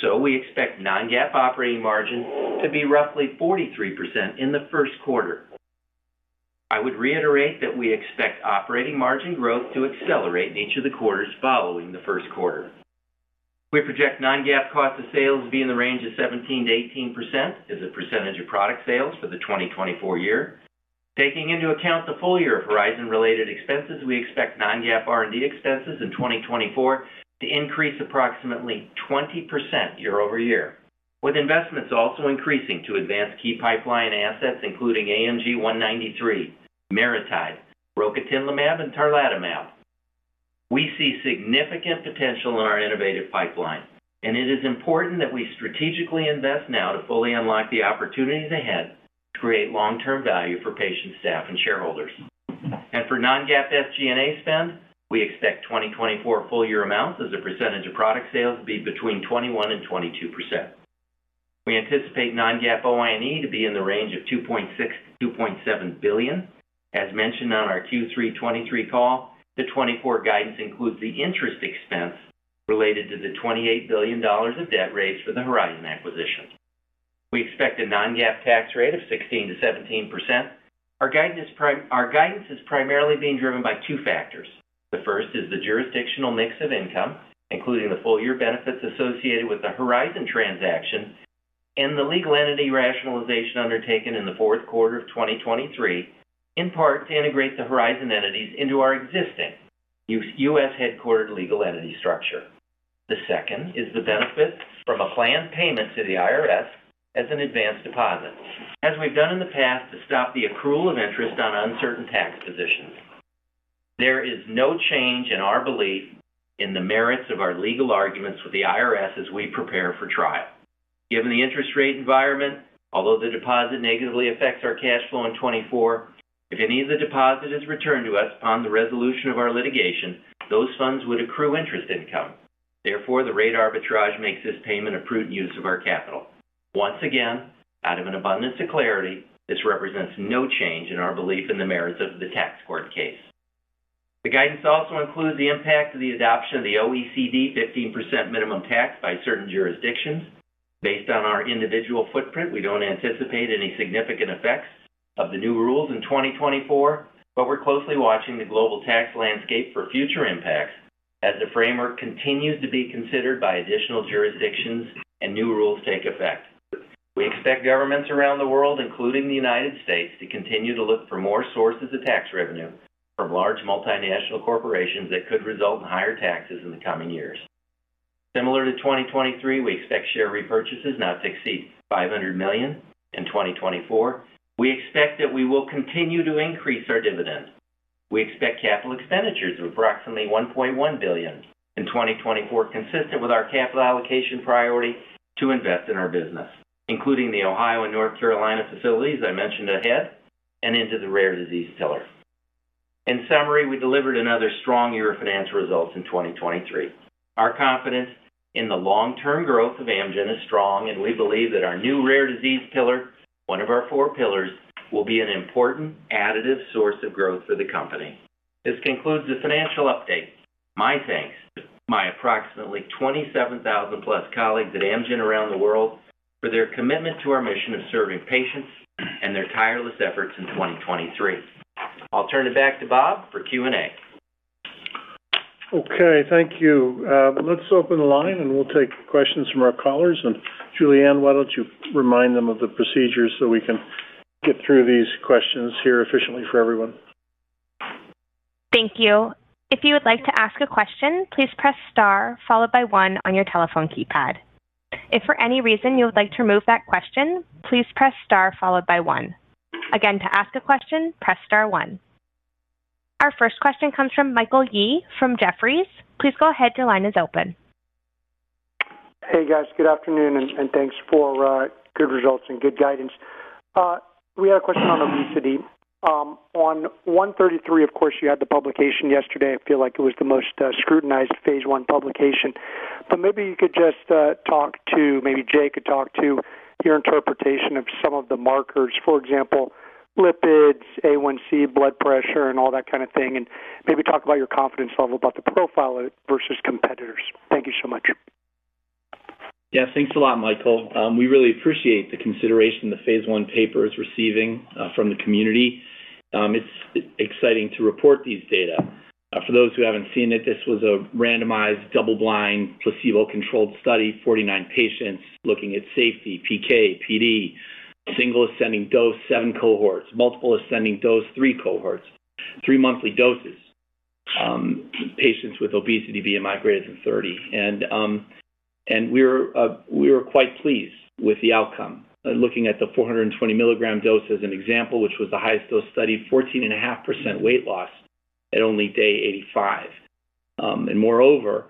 Speaker 7: So we expect non-GAAP operating margin to be roughly 43% in the first quarter. I would reiterate that we expect operating margin growth to accelerate in each of the quarters following the first quarter. We project non-GAAP cost of sales to be in the range of 17%-18% as a percentage of product sales for the 2024 year. Taking into account the full-year of Horizon-related expenses, we expect non-GAAP R&D expenses in 2024 to increase approximately 20% year-over-year, with investments also increasing to advance key pipeline assets, including AMG 193, MariTide, Rocatinlimab, and Tarlatamab. We see significant potential in our innovative pipeline, and it is important that we strategically invest now to fully unlock the opportunities ahead to create long-term value for patients, staff, and shareholders. And for non-GAAP SG&A spend, we expect 2024 full-year amounts as a percentage of product sales to be between 21% and 22%. We anticipate non-GAAP OI&E to be in the range of $2.6 billion-$2.7 billion. As mentioned on our Q3 2023 call, the 2024 guidance includes the interest expense related to the $28 billion of debt raised for the Horizon acquisition. We expect a non-GAAP tax rate of 16%-17%. Our guidance is primarily being driven by two factors. The first is the jurisdictional mix of income, including the full-year benefits associated with the Horizon transaction and the legal entity rationalization undertaken in the fourth quarter of 2023, in part to integrate the Horizon entities into our existing U.S.-headquartered legal entity structure. The second is the benefit from a planned payment to the IRS as an advanced deposit, as we've done in the past, to stop the accrual of interest on uncertain tax positions. There is no change in our belief in the merits of our legal arguments with the IRS as we prepare for trial. Given the interest rate environment, although the deposit negatively affects our cash flow in 2024, if any of the deposit is returned to us upon the resolution of our litigation, those funds would accrue interest income. Therefore, the rate arbitrage makes this payment a prudent use of our capital. Once again, out of an abundance of clarity, this represents no change in our belief in the merits of the tax court case. The guidance also includes the impact of the adoption of the OECD 15% minimum tax by certain jurisdictions. Based on our individual footprint, we don't anticipate any significant effects of the new rules in 2024, but we're closely watching the global tax landscape for future impacts as the framework continues to be considered by additional jurisdictions and new rules take effect. We expect governments around the world, including the United States, to continue to look for more sources of tax revenue from large multinational corporations that could result in higher taxes in the coming years. Similar to 2023, we expect share repurchases not to exceed $500 million in 2024. We expect that we will continue to increase our dividend. We expect capital expenditures of approximately $1.1 billion in 2024, consistent with our capital allocation priority to invest in our business, including the Ohio and North Carolina facilities I mentioned ahead and into the rare disease pillar. In summary, we delivered another strong year of financial results in 2023. Our confidence in the long-term growth of Amgen is strong, and we believe that our new rare disease pillar, one of our four pillars, will be an important additive source of growth for the company. This concludes the financial update. My thanks to my approximately 27,000+ colleagues at Amgen around the world for their commitment to our mission of serving patients and their tireless efforts in 2023. I'll turn it back to Bob for Q&A.
Speaker 3: Okay, thank you. Let's open the line, and we'll take questions from our callers. And Julianne, why don't you remind them of the procedures so we can get through these questions here efficiently for everyone?
Speaker 1: Thank you. If you would like to ask a question, please press star, followed by one on your telephone keypad. If for any reason you would like to remove that question, please press Star followed by one. Again, to ask a question, press star one. Our first question comes from Michael Yee from Jefferies. Please go ahead. Your line is open.
Speaker 8: Hey, guys. Good afternoon, and thanks for good results and good guidance. We had a question on obesity. On 133, of course, you had the publication yesterday. I feel like it was the most scrutinized phase I publication, but maybe you could just talk to, maybe Jay could talk to your interpretation of some of the markers. For example, lipids, A1c, blood pressure, and all that kind of thing, and maybe talk about your confidence level about the profile versus competitors. Thank you so much.
Speaker 6: Yeah, thanks a lot, Michael. We really appreciate the consideration the phase I paper is receiving from the community. It's exciting to report these data. For those who haven't seen it, this was a randomized, double-blind, placebo-controlled study, 49 patients looking at safety, PK, PD, single ascending dose, seven cohorts, multiple ascending dose, three cohorts, three monthly doses, patients with obesity, BMI greater than 30. And we were quite pleased with the outcome. Looking at the 420 mg dose as an example, which was the highest dose studied, 14.5% weight loss at only day 85. And moreover,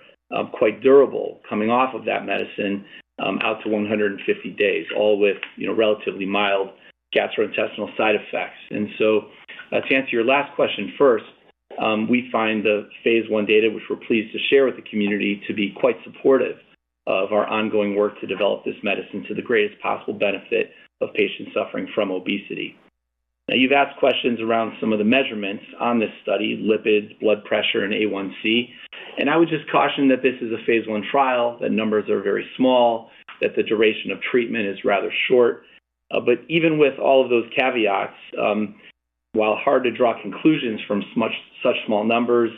Speaker 6: quite durable coming off of that medicine, out to 150 days, all with, you know, relatively mild gastrointestinal side effects. To answer your last question first, we find the phase I data, which we're pleased to share with the community, to be quite supportive of our ongoing work to develop this medicine to the greatest possible benefit of patients suffering from obesity. Now, you've asked questions around some of the measurements on this study: lipid, blood pressure, and A1c. I would just caution that this is a phase I trial, the numbers are very small, that the duration of treatment is rather short. But even with all of those caveats, while hard to draw conclusions from such small numbers,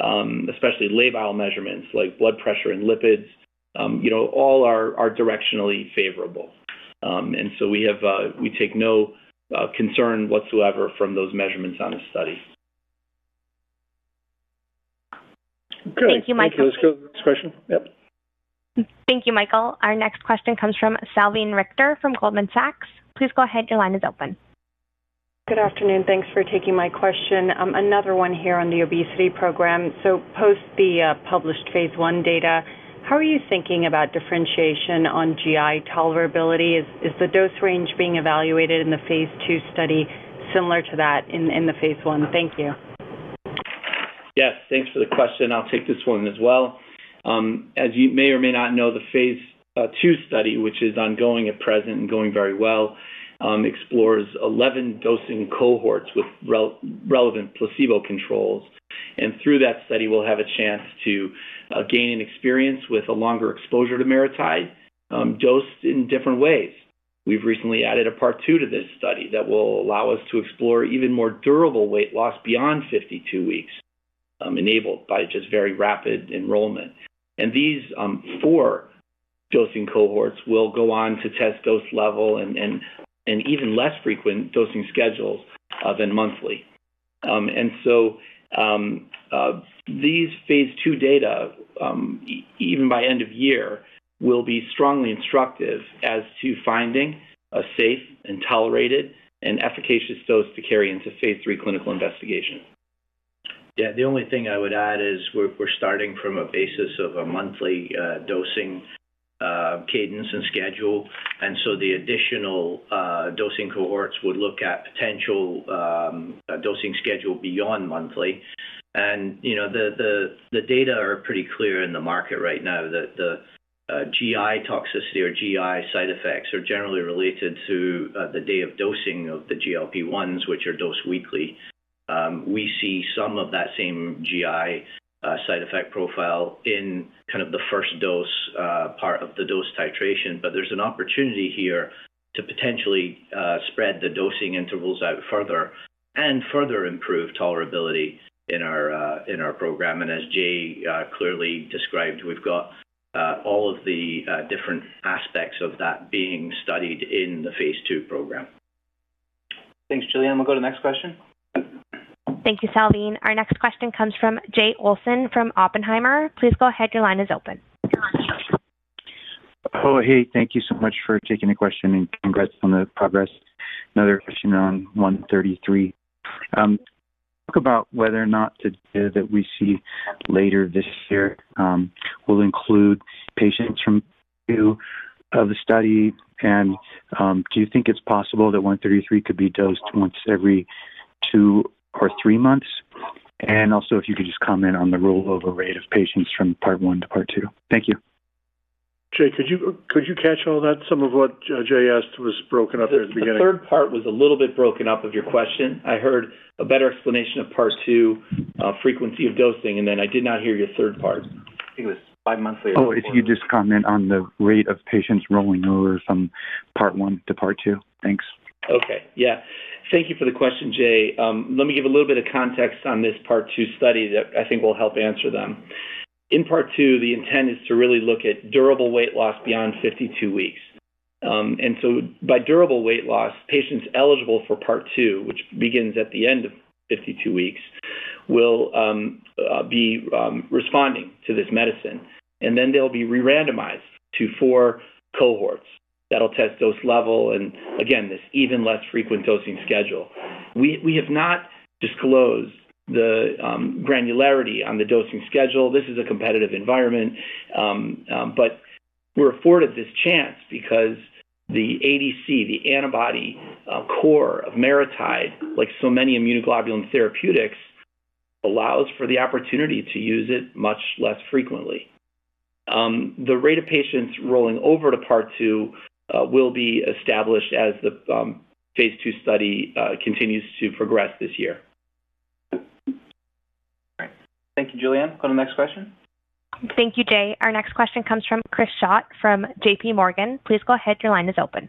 Speaker 6: especially labile measurements like blood pressure and lipids, you know, all are directionally favorable. And so we take no concern whatsoever from those measurements on this study.
Speaker 8: Okay.
Speaker 1: Thank you, Michael.
Speaker 3: Let's go to the next question. Yep.
Speaker 1: Thank you, Michael. Our next question comes from Salveen Richter from Goldman Sachs. Please go ahead. Your line is open.
Speaker 9: Good afternoon. Thanks for taking my question. Another one here on the obesity program. So post the published phase I data, how are you thinking about differentiation on GI tolerability? Is the dose range being evaluated in the phase II study similar to that in the phase I? Thank you.
Speaker 6: Yes, thanks for the question. I'll take this one as well. As you may or may not know, the phase II study, which is ongoing at present and going very well, explores 11 dosing cohorts with relevant placebo controls, and through that study, we'll have a chance to gain experience with a longer exposure to MariTide, dosed in different ways. We've recently added a part two to this study that will allow us to explore even more durable weight loss beyond 52 weeks, enabled by just very rapid enrollment. These four dosing cohorts will go on to test dose level and even less frequent dosing schedules than monthly. These phase II data, even by end of year, will be strongly instructive as to finding a safe and tolerated and efficacious dose to carry into phase III clinical investigation.
Speaker 10: Yeah. The only thing I would add is we're starting from a basis of a monthly dosing cadence and schedule, and so the additional dosing cohorts would look at potential dosing schedule beyond monthly. And, you know, the data are pretty clear in the market right now that the GI toxicity or GI side effects are generally related to the day of dosing of the GLP-1s, which are dosed weekly. We see some of that same GI side effect profile in kind of the first dose part of the dose titration, but there's an opportunity here to potentially spread the dosing intervals out further and further improve tolerability in our program. As Jay clearly described, we've got all of the different aspects of that being studied in the phase II program.
Speaker 2: Thanks, Julianne. We'll go to the next question.
Speaker 1: Thank you, Salveen. Our next question comes from Jay Olson from Oppenheimer. Please go ahead. Your line is open.
Speaker 11: Oh, hey, thank you so much for taking the question, and congrats on the progress. Another question on 133. Talk about whether or not the data that we see later this year, will include patients from two of the study, and, do you think it's possible that 133 could be dosed once every two or three months? And also, if you could just comment on the rollover rate of patients from part one to part two. Thank you.
Speaker 3: Jay, could you catch all that? Some of what Jay asked was broken up at the beginning.
Speaker 6: The third part was a little bit broken up of your question. I heard a better explanation of part two, frequency of dosing, and then I did not hear your third part.
Speaker 3: I think it was bi-monthly.
Speaker 11: Oh, if you just comment on the rate of patients rolling over from part one to part two. Thanks.
Speaker 6: Okay. Yeah. Thank you for the question, Jay. Let me give a little bit of context on this part two study that I think will help answer them. In part two, the intent is to really look at durable weight loss beyond 52 weeks. And so by durable weight loss, patients eligible for part two, which begins at the end of 52 weeks, will be responding to this medicine, and then they'll be re-randomized to four cohorts. That'll test dose level and, again, this even less frequent dosing schedule. We have not disclosed the granularity on the dosing schedule. This is a competitive environment, but we're afforded this chance because the ADC, the antibody core of MariTide, like so many immunoglobulin therapeutics, allows for the opportunity to use it much less frequently. The rate of patients rolling over to part two will be established as the phase II study continues to progress this year.
Speaker 2: All right. Thank you, Julianne. Go to the next question.
Speaker 1: Thank you, Jay. Our next question comes from Chris Schott from JP Morgan. Please go ahead. Your line is open.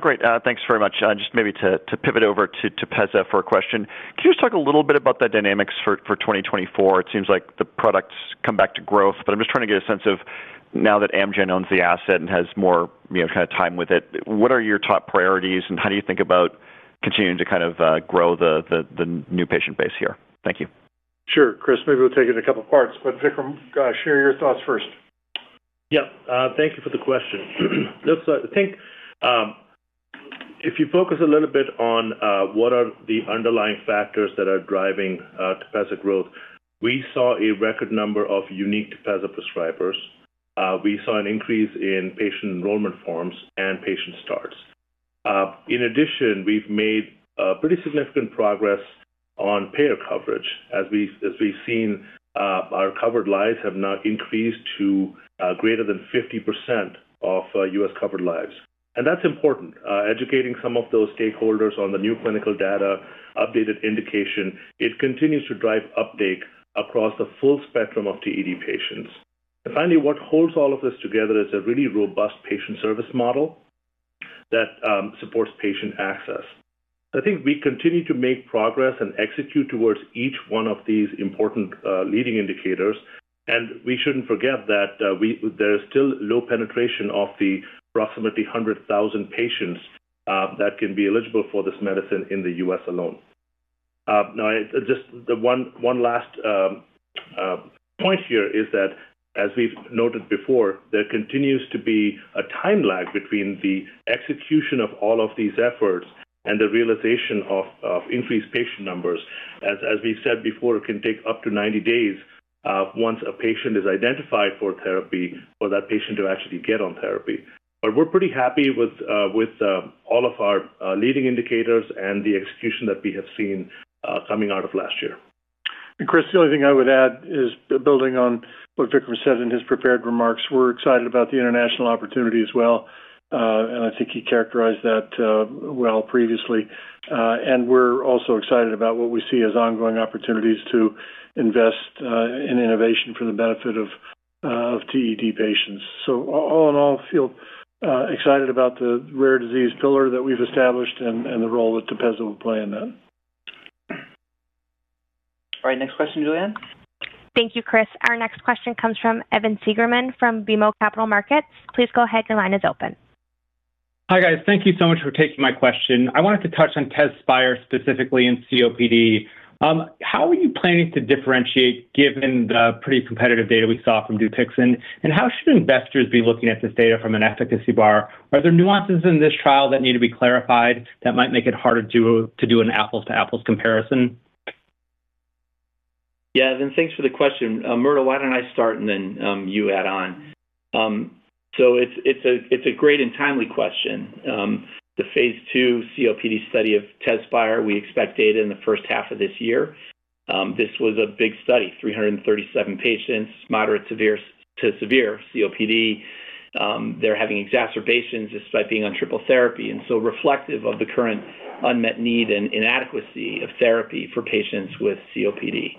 Speaker 12: Great. Thanks very much. Just maybe to pivot over to Tepezza for a question. Can you just talk a little bit about the dynamics for 2024? It seems like the product's come back to growth, but I'm just trying to get a sense of now that Amgen owns the asset and has more, you know, kind of time with it, what are your top priorities, and how do you think about continuing to kind of grow the new patient base here? Thank you.
Speaker 3: Sure, Chris. Maybe we'll take it in a couple parts, but Vikram, share your thoughts first.
Speaker 5: Yeah, thank you for the question. Look, so I think, if you focus a little bit on, what are the underlying factors that are driving, Tepezza growth, we saw a record number of unique Tepezza prescribers. We saw an increase in patient enrollment forms and patient starts. In addition, we've made, pretty significant progress on payer coverage. As we, as we've seen, our covered lives have now increased to, greater than 50% of, U.S. covered lives. And that's important. Educating some of those stakeholders on the new clinical data, updated indication, it continues to drive uptake across the full spectrum of TED patients. And finally, what holds all of this together is a really robust patient service model that, supports patient access. I think we continue to make progress and execute towards each one of these important leading indicators, and we shouldn't forget that, we there is still low penetration of the approximately 100,000 patients that can be eligible for this medicine in the US alone. Now, just one last point here is that, as we've noted before, there continues to be a time lag between the execution of all of these efforts and the realization of increased patient numbers. As we said before, it can take up to 90 days, once a patient is identified for therapy, for that patient to actually get on therapy. But we're pretty happy with all of our leading indicators and the execution that we have seen coming out of last year.`
Speaker 3: Chris, the only thing I would add is building on what Vikram said in his prepared remarks. We're excited about the international opportunity as well, and I think he characterized that, well previously. And we're also excited about what we see as ongoing opportunities to invest, in innovation for the benefit of, of TED patients. So all in all, feel, excited about the rare disease pillar that we've established and, and the role that Tepezza will play in that.
Speaker 2: All right, next question, Julianne.
Speaker 1: Thank you, Chris. Our next question comes from Evan Seigerman from BMO Capital Markets. Please go ahead. Your line is open.
Speaker 13: Hi, guys. Thank you so much for taking my question. I wanted to touch on Tezspire, specifically in COPD. How are you planning to differentiate, given the pretty competitive data we saw from Dupixent? And how should investors be looking at this data from an efficacy bar? Are there nuances in this trial that need to be clarified that might make it harder to do an apples-to-apples comparison?
Speaker 6: Yeah, Evan, thanks for the question. Murdo, why don't I start and then you add on? So it's a great and timely question. The phase II COPD study of Tezspire, we expect data in the first half of this year. This was a big study, 337 patients, moderate to severe COPD. They're having exacerbations despite being on triple therapy, and so reflective of the current unmet need and inadequacy of therapy for patients with COPD.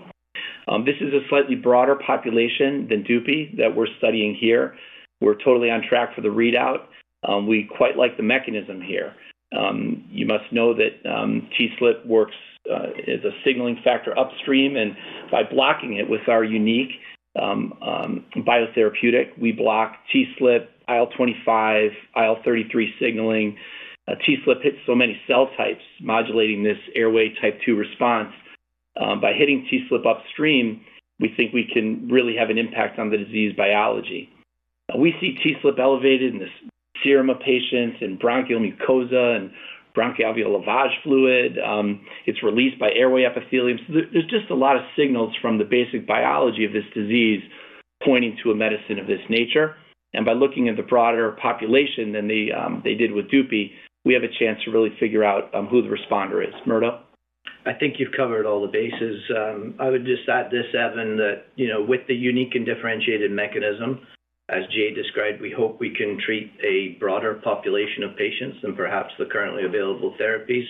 Speaker 6: This is a slightly broader population than Dupi that we're studying here. We're totally on track for the readout. We quite like the mechanism here. You must know that, TSLP works as a signaling factor upstream, and by blocking it with our unique biotherapeutic, we block TSLP, IL-25, IL-33 signaling. TSLP hits so many cell types, modulating this airway type two response. By hitting TSLP upstream, we think we can really have an impact on the disease biology. We see TSLP elevated in the serum of patients in bronchial mucosa and bronchoalveolar lavage fluid. It's released by airway epithelium. So, there's just a lot of signals from the basic biology of this disease pointing to a medicine of this nature. And by looking at the broader population than they did with Dupi, we have a chance to really figure out who the responder is. Murdo?
Speaker 4: I think you've covered all the bases. I would just add this, Evan, that, you know, with the unique and differentiated mechanism, as Jay described, we hope we can treat a broader population of patients than perhaps the currently available therapies.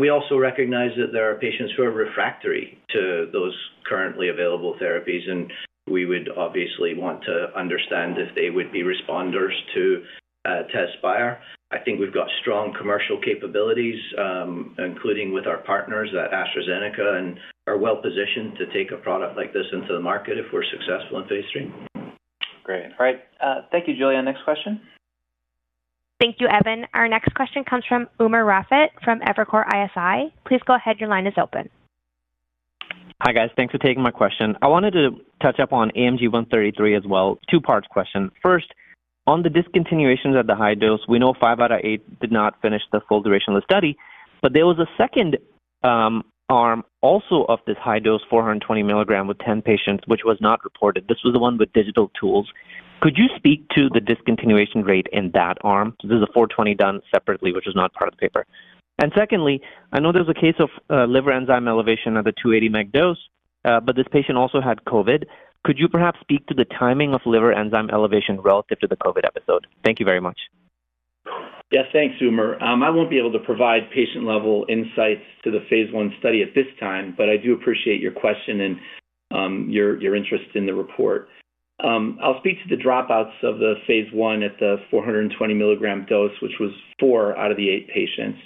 Speaker 4: We also recognize that there are patients who are refractory to those currently available therapies, and we would obviously want to understand if they would be responders to Tezspire. I think we've got strong commercial capabilities, including with our partners at AstraZeneca, and are well positioned to take a product like this into the market if we're successful in phase III.
Speaker 2: Great. All right. Thank you, Julianne. Next question.
Speaker 1: Thank you, Evan. Our next question comes from Umer Raffat, from Evercore ISI. Please go ahead. Your line is open.
Speaker 14: Hi, guys. Thanks for taking my question. I wanted to touch up on AMG 133 as well. Two parts question. First, on the discontinuations at the high dose, we know five out of eight did not finish the full duration of the study, but there was a second arm also of this high dose, 420 mg with 10 patients, which was not reported. This was the one with digital tools. Could you speak to the discontinuation rate in that arm? So this is a 420 done separately, which is not part of the paper. And secondly, I know there was a case of liver enzyme elevation of the 280 mg dose, but this patient also had COVID. Could you perhaps speak to the timing of liver enzyme elevation relative to the COVID episode? Thank you very much.
Speaker 6: Yes, thanks, Umer. I won't be able to provide patient-level insights to the phase I study at this time, but I do appreciate your question and your interest in the report. I'll speak to the dropouts of the phase I at the 420 milligram dose, which was four out of the eight patients.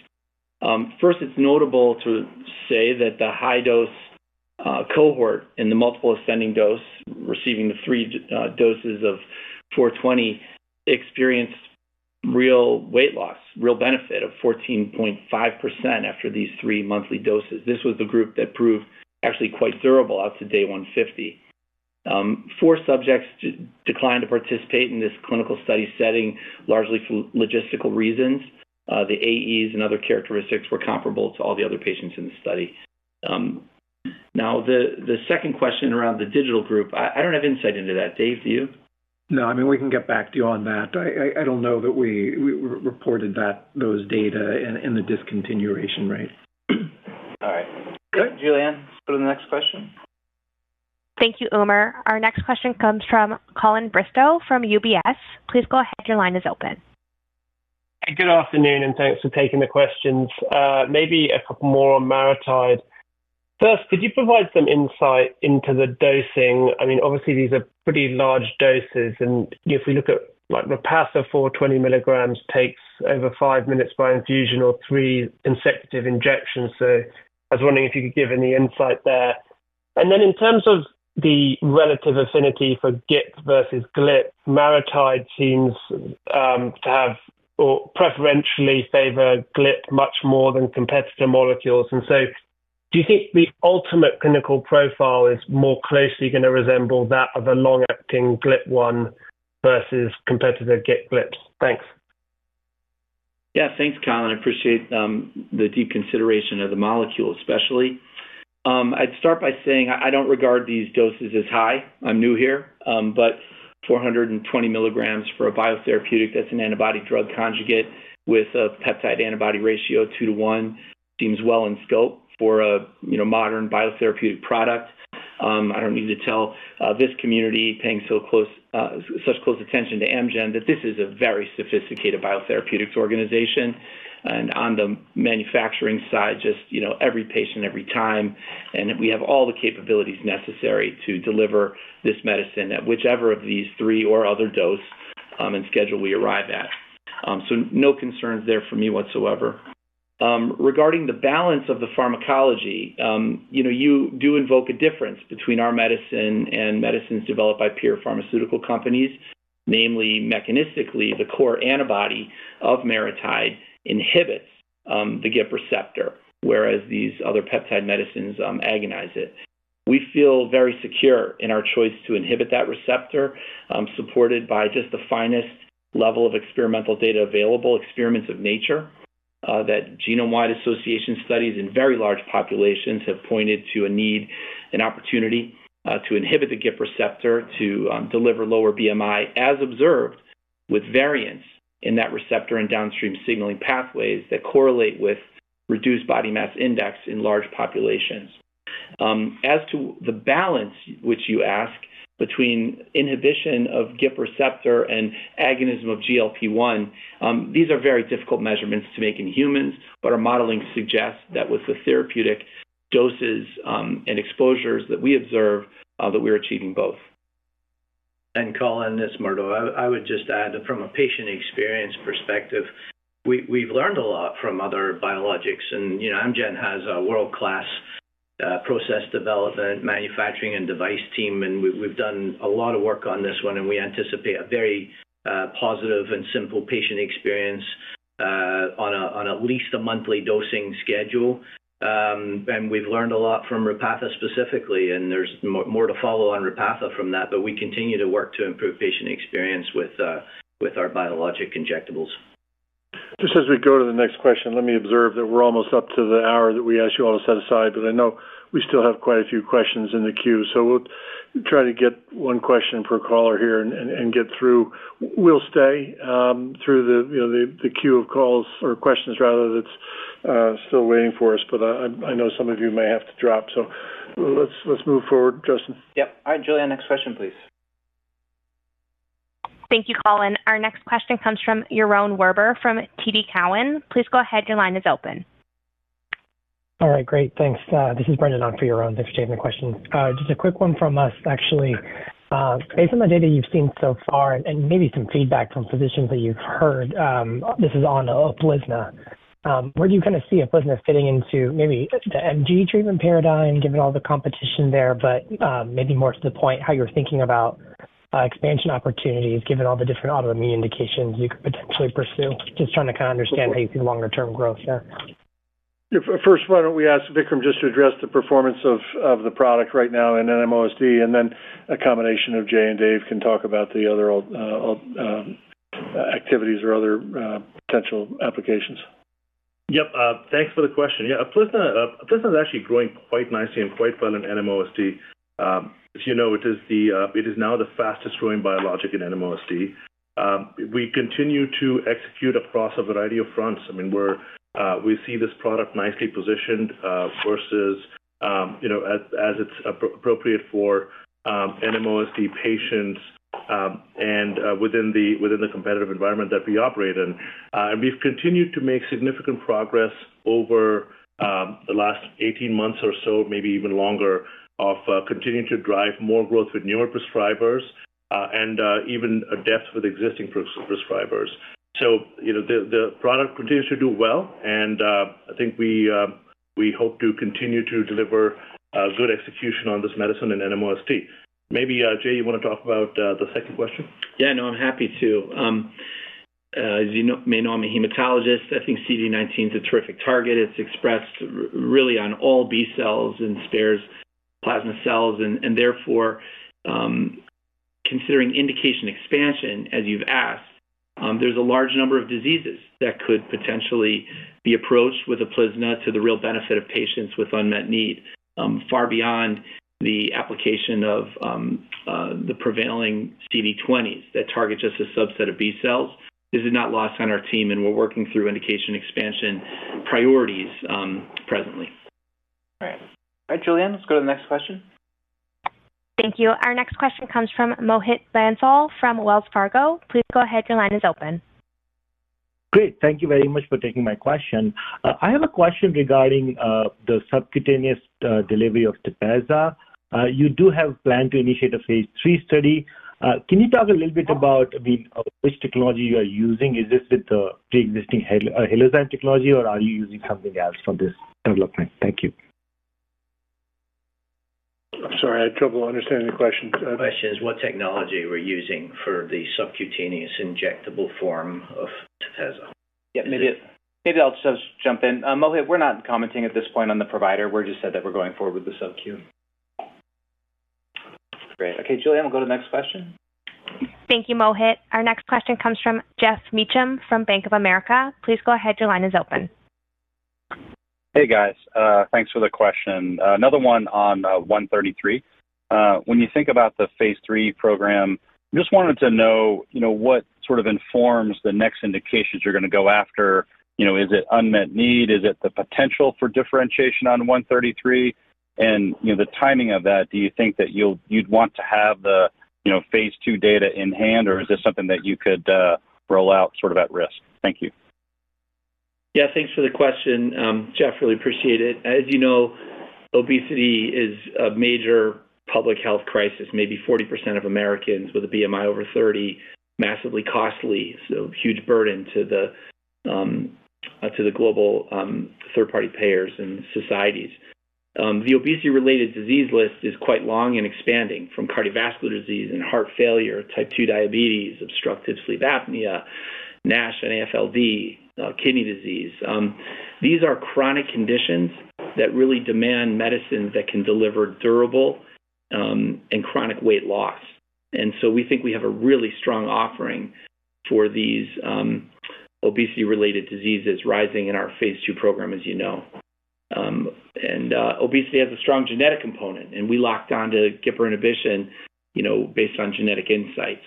Speaker 6: First, it's notable to say that the high dose cohort in the multiple ascending dose, receiving the three doses of 420, experienced real weight loss, real benefit of 14.5% after these three monthly doses. This was the group that proved actually quite durable out to day 150. Four subjects declined to participate in this clinical study, citing largely logistical reasons. The AEs and other characteristics were comparable to all the other patients in the study. Now, the second question around the digital group, I don't have insight into that. Dave, do you?
Speaker 10: No, I mean, we can get back to you on that. I don't know that we reported that, those data in the discontinuation rate.
Speaker 2: All right. Good. Julianne, let's go to the next question.
Speaker 1: Thank you, Umer. Our next question comes from Colin Bristow, from UBS. Please go ahead. Your line is open.
Speaker 15: Good afternoon, and thanks for taking the questions. Maybe a couple more on MariTide. First, could you provide some insight into the dosing? I mean, obviously, these are pretty large doses, and if we look at, like, Repatha 420 mg takes over five minutes by infusion or three consecutive injections. So I was wondering if you could give any insight there. And then in terms of the relative affinity for GIP versus GLP, MariTide seems to have or preferentially favor GLP much more than competitor molecules. And so do you think the ultimate clinical profile is more closely going to resemble that of a long-acting GLP-1 versus competitor GIP/GLP? Thanks.
Speaker 6: Yeah, thanks, Colin. I appreciate the deep consideration of the molecule, especially. I'd start by saying I don't regard these doses as high. I'm new here, but 420 mg for a biotherapeutic, that's an antibody drug conjugate with a peptide-to-antibody ratio of two to one, seems well in scope for a, you know, modern biotherapeutic product. I don't need to tell this community paying so close, such close attention to Amgen, that this is a very sophisticated biotherapeutics organization. And on the manufacturing side, just, you know, every patient, every time, and we have all the capabilities necessary to deliver this medicine at whichever of these three or other dose, and schedule we arrive at. So no concerns there for me whatsoever. Regarding the balance of the pharmacology, you know, you do invoke a difference between our medicine and medicines developed by peer pharmaceutical companies. Namely, mechanistically, the core antibody of MariTide inhibits the GIP receptor, whereas these other peptide medicines agonize it. We feel very secure in our choice to inhibit that receptor, supported by just the finest level of experimental data available, experiments of nature, that genome-wide association studies in very large populations have pointed to a need and opportunity to inhibit the GIP receptor, to deliver lower BMI, as observed with variants in that receptor and downstream signaling pathways that correlate with reduced body mass index in large populations. As to the balance which you ask between inhibition of GIP receptor and agonism of GLP-1, these are very difficult measurements to make in humans, but our modeling suggests that with the therapeutic doses and exposures that we observe, that we're achieving both.
Speaker 4: Colin, this is Murdo. I would just add that from a patient experience perspective, we've learned a lot from other biologics. You know, Amgen has a world-class process development, manufacturing, and device team, and we've done a lot of work on this one, and we anticipate a very positive and simple patient experience on at least a monthly dosing schedule. We've learned a lot from Repatha specifically, and there's more to follow on Repatha from that, but we continue to work to improve patient experience with our biologic injectables.
Speaker 3: Just as we go to the next question, let me observe that we're almost up to the hour that we asked you all to set aside, but I know we still have quite a few questions in the queue, so we'll try to get one question per caller here and get through. We'll stay through the, you know, queue of calls or questions rather, that's still waiting for us, but I know some of you may have to drop, so let's move forward. Justin?
Speaker 2: Yep. All right, Julianne, next question, please.
Speaker 1: Thank you, Colin. Our next question comes from Yaron Werber from TD Cowen. Please go ahead. Your line is open.
Speaker 16: All right, great. Thanks. This is Brendan on for Yaron. Thanks for taking the question. Just a quick one from us, actually. Based on the data you've seen so far and maybe some feedback from physicians that you've heard, this is on Uplizna. Where do you kind of see Uplizna fitting into maybe the MG treatment paradigm, given all the competition there, but maybe more to the point, how you're thinking about expansion opportunities, given all the different autoimmune indications you could potentially pursue? Just trying to kind of understand how you see the longer-term growth there.
Speaker 3: Yeah. First, why don't we ask Vikram just to address the performance of the product right now in NMOSD, and then a combination of Jay and Dave can talk about the other activities or other potential applications.
Speaker 5: Yep. Thanks for the question. Yeah, Uplizna, Uplizna is actually growing quite nicely and quite well in NMOSD. As you know, it is the, it is now the fastest growing biologic in NMOSD. We continue to execute across a variety of fronts. I mean, we see this product nicely positioned, versus, you know, as, as it's appropriate for, NMOSD patients, and, within the competitive environment that we operate in. And we've continued to make significant progress over, the last 18 months or so, maybe even longer, of, continuing to drive more growth with newer prescribers, and, even a depth with existing prescribers. So, you know, the product continues to do well, and I think we hope to continue to deliver good execution on this medicine in NMOSD. Maybe Jay, you want to talk about the second question?
Speaker 6: Yeah, no, I'm happy to. As you may know, I'm a hematologist. I think CD19 is a terrific target. It's expressed really on all B cells and spares plasma cells, and therefore, considering indication expansion, as you've asked, there's a large number of diseases that could potentially be approached with Uplizna to the real benefit of patients with unmet need, far beyond the application of the prevailing CD20s that target just a subset of B cells. This is not lost on our team, and we're working through indication expansion priorities, presently.
Speaker 2: All right. All right, Julianne, let's go to the next question.
Speaker 1: Thank you. Our next question comes from Mohit Bansal from Wells Fargo. Please go ahead. Your line is open.
Speaker 17: Great. Thank you very much for taking my question. I have a question regarding the subcutaneous delivery of Tepezza. You do have plan to initiate a phase III study. Can you talk a little bit about the which technology you are using? Is this with the pre-existing Halo, Halozyme technology, or are you using something else for this development? Thank you.
Speaker 3: I'm sorry, I had trouble understanding the question.
Speaker 10: The question is what technology we're using for the subcutaneous injectable form of Tepezza.
Speaker 6: Yeah, maybe, maybe I'll just jump in. Mohit, we're not commenting at this point on the provider. We're just said that we're going forward with the subQ.
Speaker 2: Great. Okay, Julianne, we'll go to the next question.
Speaker 1: Thank you, Mohit. Our next question comes from Jeff Meacham from Bank of America. Please go ahead. Your line is open.
Speaker 18: Hey, guys. Thanks for the question. Another one on 133. When you think about the phase III program, just wanted to know, you know, what sort of informs the next indications you're going to go after. You know, is it unmet need? Is it the potential for differentiation on 133? And, you know, the timing of that, do you think that you'll, you'd want to have the, you know, phase II data in hand, or is this something that you could, roll out sort of at risk? Thank you.
Speaker 6: Yeah, thanks for the question, Jeff, really appreciate it. As you know, obesity is a major public health crisis. Maybe 40% of Americans with a BMI over 30, massively costly, so huge burden to the global third-party payers and societies. The obesity-related disease list is quite long and expanding from cardiovascular disease and heart failure, type 2 diabetes, obstructive sleep apnea, NASH and NAFLD, kidney disease. These are chronic conditions that really demand medicines that can deliver durable and chronic weight loss. And so we think we have a really strong offering for these obesity-related diseases rising in our phase II program, as you know. And obesity has a strong genetic component, and we locked on to GPCR inhibition, you know, based on genetic insights.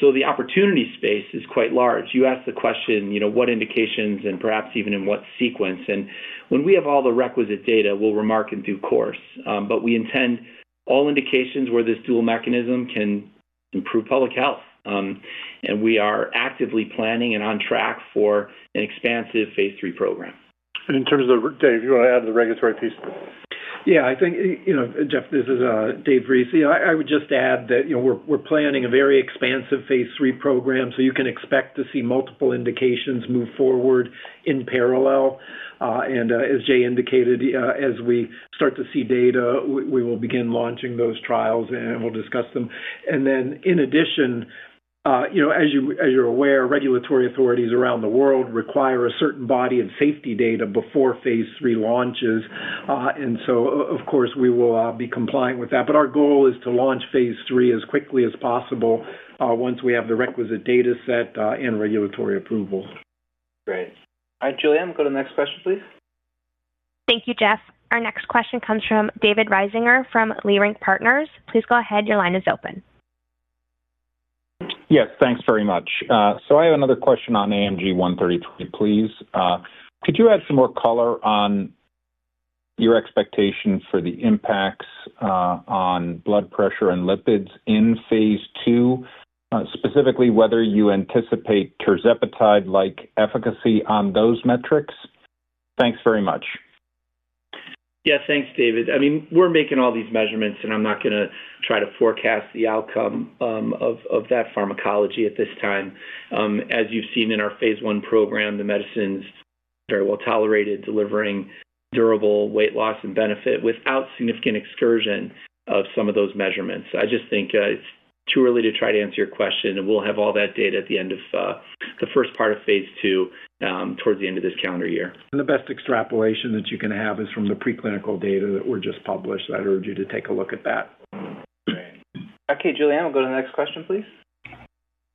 Speaker 6: So the opportunity space is quite large. You asked the question, you know, what indications and perhaps even in what sequence? And when we have all the requisite data, we'll remark in due course. But we intend all indications where this dual mechanism can improve public health. And we are actively planning and on track for an expansive phase III program.
Speaker 3: In terms of, Dave, do you want to add the regulatory piece?
Speaker 10: Yeah, I think, you know, Jeff, this is Dave Reese. I would just add that, you know, we're planning a very expansive phase III program, so you can expect to see multiple indications move forward in parallel. And as Jay indicated, as we start to see data, we will begin launching those trials and we'll discuss them. And then in addition, you know, as you're aware, regulatory authorities around the world require a certain body of safety data before phase III launches. And so of course, we will be compliant with that. But our goal is to launch phase III as quickly as possible, once we have the requisite data set, and regulatory approval.
Speaker 2: Great. All right, Julianne, go to the next question, please.
Speaker 1: Thank you, Jeff. Our next question comes from David Risinger, from Leerink Partners. Please go ahead. Your line is open.
Speaker 19: Yes, thanks very much. So I have another question on AMG 133, please. Could you add some more color on your expectations for the impacts on blood pressure and lipids in phase II? Specifically, whether you anticipate tirzepatide-like efficacy on those metrics? Thanks very much.
Speaker 6: Yeah, thanks, David. I mean, we're making all these measurements, and I'm not going to try to forecast the outcome of that pharmacology at this time. As you've seen in our phase I program, the medicine's very well tolerated, delivering durable weight loss and benefit without significant excursion of some of those measurements. I just think it's too early to try to answer your question, and we'll have all that data at the end of the first part of phase II, towards the end of this calendar year.
Speaker 10: The best extrapolation that you can have is from the preclinical data that were just published. I'd urge you to take a look at that.
Speaker 2: Great. Okay, Julianne, we'll go to the next question, please.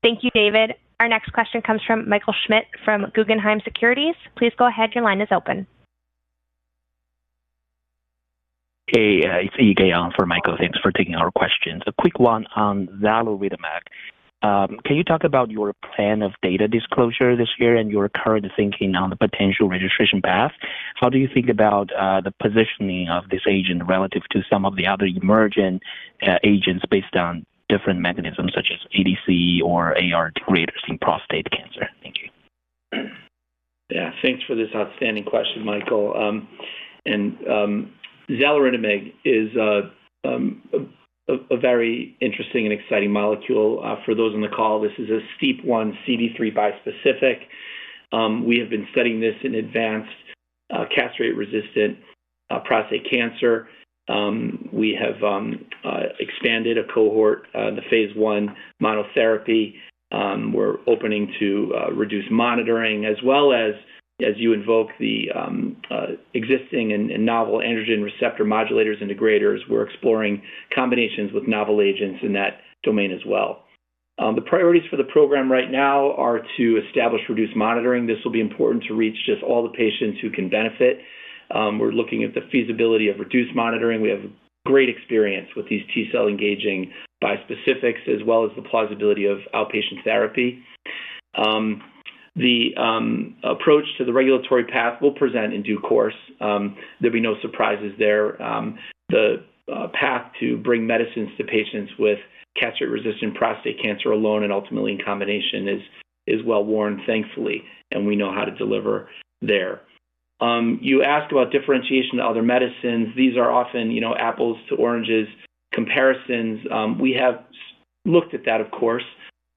Speaker 1: Thank you, David. Our next question comes from Michael Schmidt from Guggenheim Securities. Please go ahead. Your line is open.
Speaker 20: Hey, it's [inaudible] on for Michael. Thanks for taking our questions. A quick one on Xaluritamig. Can you talk about your plan of data disclosure this year and your current thinking on the potential registration path? How do you think about, the positioning of this agent relative to some of the other emerging, agents based on different mechanisms such as ADC or AR degraders in prostate cancer? Thank you.
Speaker 6: Yeah, thanks for this outstanding question, Michael. Xaluritamig is a very interesting and exciting molecule. For those on the call, this is a STEAP1, CD3 bispecific. We have been studying this in advanced castrate-resistant prostate cancer. We have expanded a cohort in the phase I monotherapy. We're open to reduced monitoring as well as the existing and novel androgen receptor modulators and degraders. We're exploring combinations with novel agents in that domain as well. The priorities for the program right now are to establish reduced monitoring. This will be important to reach just all the patients who can benefit. We're looking at the feasibility of reduced monitoring. We have great experience with these T-cell engaging bispecifics, as well as the plausibility of outpatient therapy. The approach to the regulatory path will present in due course. There'll be no surprises there. The path to bring medicines to patients with castrate-resistant prostate cancer alone and ultimately in combination is well worn, thankfully, and we know how to deliver there. You asked about differentiation to other medicines. These are often, you know, apples to oranges comparisons. We have looked at that, of course,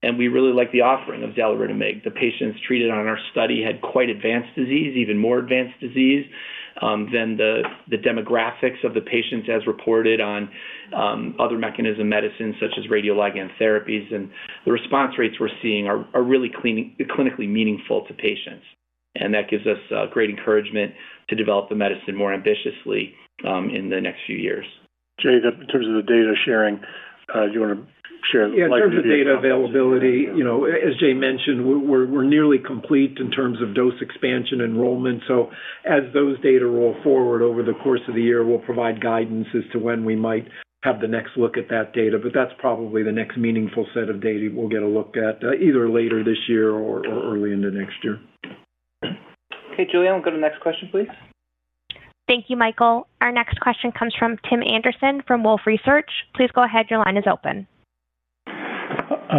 Speaker 6: and we really like the offering of Xaluritamig. The patients treated on our study had quite advanced disease, even more advanced disease, than the demographics of the patients as reported on other mechanism medicines such as radioligand therapies. And the response rates we're seeing are really clinically meaningful to patients, and that gives us great encouragement to develop the medicine more ambitiously in the next few years.
Speaker 3: Jay, in terms of the data sharing, do you want to share
Speaker 10: Yeah, in terms of data availability, you know, as Jay mentioned, we're nearly complete in terms of dose expansion enrollment. So as those data roll forward over the course of the year, we'll provide guidance as to when we might have the next look at that data. But that's probably the next meaningful set of data we'll get a look at, either later this year or early into next year.
Speaker 2: Okay, Julianne, we'll go to the next question, please.
Speaker 1: Thank you, Michael. Our next question comes from Tim Anderson from Wolfe Research. Please go ahead. Your line is open.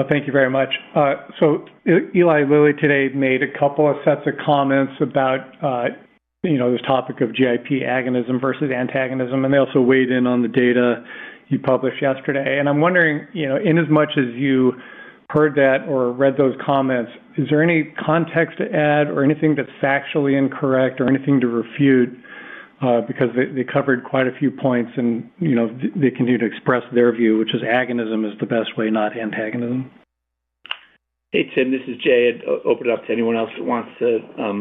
Speaker 21: Thank you very much. So Eli Lilly today made a couple of sets of comments about, you know, this topic of GIP agonism versus antagonism, and they also weighed in on the data you published yesterday. And I'm wondering, you know, inasmuch as you heard that or read those comments, is there any context to add or anything that's factually incorrect or anything to refute? Because they, they covered quite a few points and, you know, they continue to express their view, which is agonism is the best way, not antagonism.
Speaker 6: Hey, Tim, this is Jay. I'd open it up to anyone else who wants to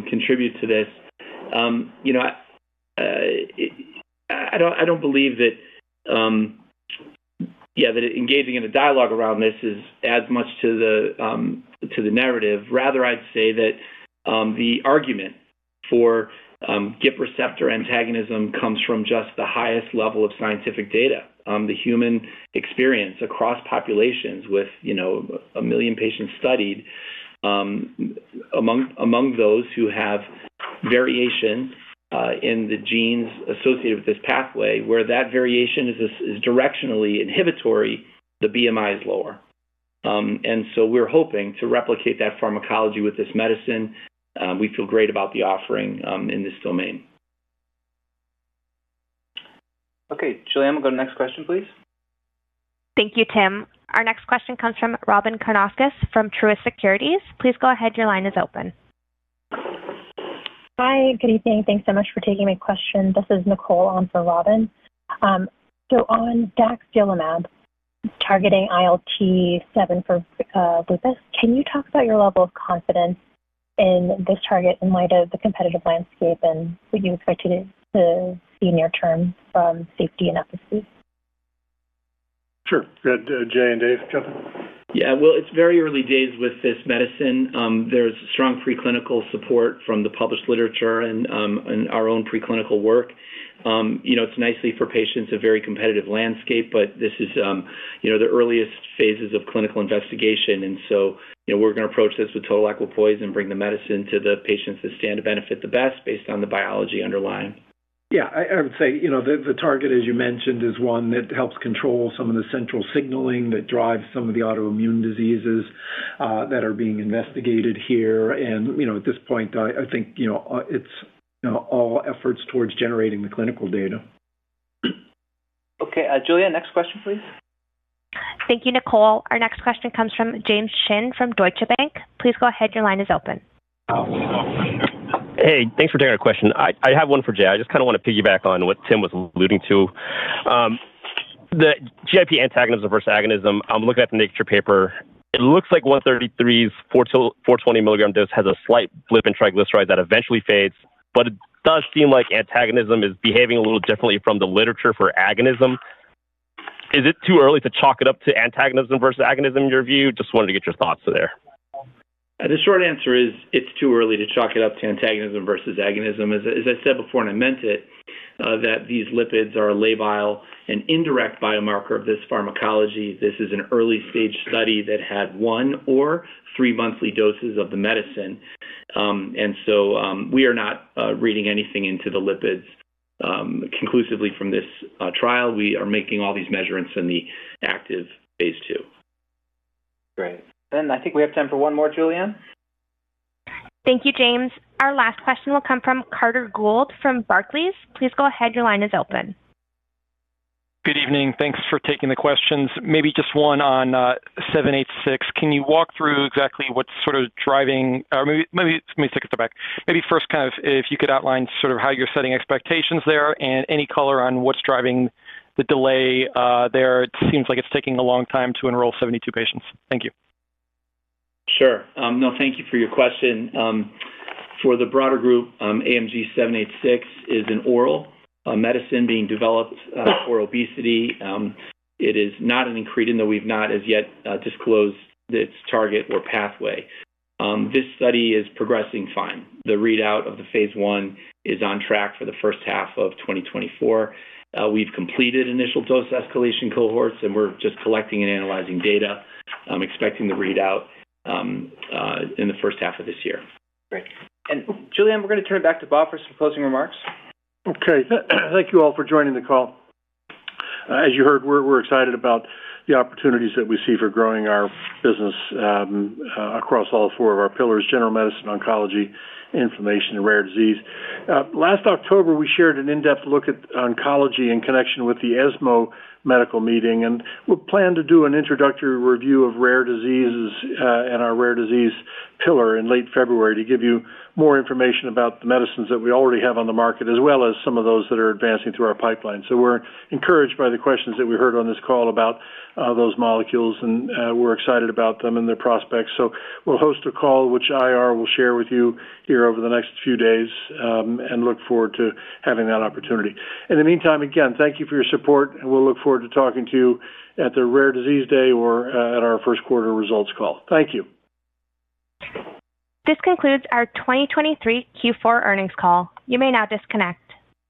Speaker 6: contribute to this. You know, I don't believe that yeah, that engaging in a dialogue around this is as much to the to the narrative. Rather, I'd say that the argument for GIP receptor antagonism comes from just the highest level of scientific data on the human experience across populations with one million patients studied. Among those who have variation in the genes associated with this pathway, where that variation is directionally inhibitory, the BMI is lower. And so we're hoping to replicate that pharmacology with this medicine. We feel great about the offering in this domain.
Speaker 2: Okay, Julianne, we'll go to the next question, please.
Speaker 1: Thank you, Tim. Our next question comes from Robyn Karnauskas from Truist Securities. Please go ahead. Your line is open.
Speaker 22: Hi. Good evening. Thanks so much for taking my question. This is Nicole on for Robyn. So on Daxdilimab, targeting ILT-7 for lupus, can you talk about your level of confidence in this target in light of the competitive landscape, and would you expect it to be near term from safety and efficacy?
Speaker 3: Sure. Go ahead, Jay and Dave.
Speaker 6: Yeah. Well, it's very early days with this medicine. There's strong preclinical support from the published literature and, and our own preclinical work. You know, it's nicely for patients, a very competitive landscape, but this is, you know, the earliest phases of clinical investigation. And so, you know, we're going to approach this with total equipoise and bring the medicine to the patients that stand to benefit the best based on the biology underlying.
Speaker 10: Yeah, I would say, you know, the target, as you mentioned, is one that helps control some of the central signaling that drives some of the autoimmune diseases that are being investigated here. And, you know, at this point, I think, you know, it's, you know, all efforts towards generating the clinical data.
Speaker 2: Okay, Julianne, next question, please.
Speaker 1: Thank you, Nicole. Our next question comes from James Shin from Deutsche Bank. Please go ahead. Your line is open.
Speaker 23: Hey, thanks for taking our question. I have one for Jay. I just kind of want to piggyback on what Tim was alluding to. The GIP antagonism versus agonism. I'm looking at the Nature paper. It looks like 133's, 420 mg dose has a slight blip in triglyceride that eventually fades, but it does seem like antagonism is behaving a little differently from the literature for agonism. Is it too early to chalk it up to antagonism versus agonism, in your view? Just wanted to get your thoughts there.
Speaker 6: The short answer is, it's too early to chalk it up to antagonism versus agonism. As I said before, and I meant it, that these lipids are a labile and indirect biomarker of this pharmacology. This is an early-stage study that had one or three monthly doses of the medicine. And so, we are not reading anything into the lipids conclusively from this trial. We are making all these measurements in the active phase II.
Speaker 2: Great. Then I think we have time for one more, Julianne.
Speaker 1: Thank you, James. Our last question will come from Carter Gould from Barclays. Please go ahead. Your line is open.
Speaker 24: Good evening. Thanks for taking the questions. Maybe just one on 786. Can you walk through exactly what's sort of driving, Or maybe, maybe let me take a step back. Maybe first, kind of, if you could outline sort of how you're setting expectations there and any color on what's driving the delay there. It seems like it's taking a long time to enroll 72 patients. Thank you.
Speaker 6: Sure. No, thank you for your question. For the broader group, AMG 786 is an oral medicine being developed for obesity. It is not an incretin, though we've not as yet disclosed its target or pathway. This study is progressing fine. The readout of the phase I is on track for the first half of 2024. We've completed initial dose escalation cohorts, and we're just collecting and analyzing data. I'm expecting the readout in the first half of this year.
Speaker 2: Great. Julianne, we're going to turn it back to Bob for some closing remarks.
Speaker 3: Okay. Thank you all for joining the call. As you heard, we're excited about the opportunities that we see for growing our business across all four of our pillars: general medicine, oncology, inflammation, and rare disease. Last October, we shared an in-depth look at oncology in connection with the ESMO medical meeting, and we plan to do an introductory review of rare diseases and our rare disease pillar in late February to give you more information about the medicines that we already have on the market, as well as some of those that are advancing through our pipeline. So we're encouraged by the questions that we heard on this call about those molecules, and we're excited about them and their prospects. So we'll host a call, which IR will share with you here over the next few days, and look forward to having that opportunity. In the meantime, again, thank you for your support, and we'll look forward to talking to you at the Rare Disease Day or, at our first quarter results call. Thank you.
Speaker 1: This concludes our 2023 Q4 earnings call. You may now disconnect.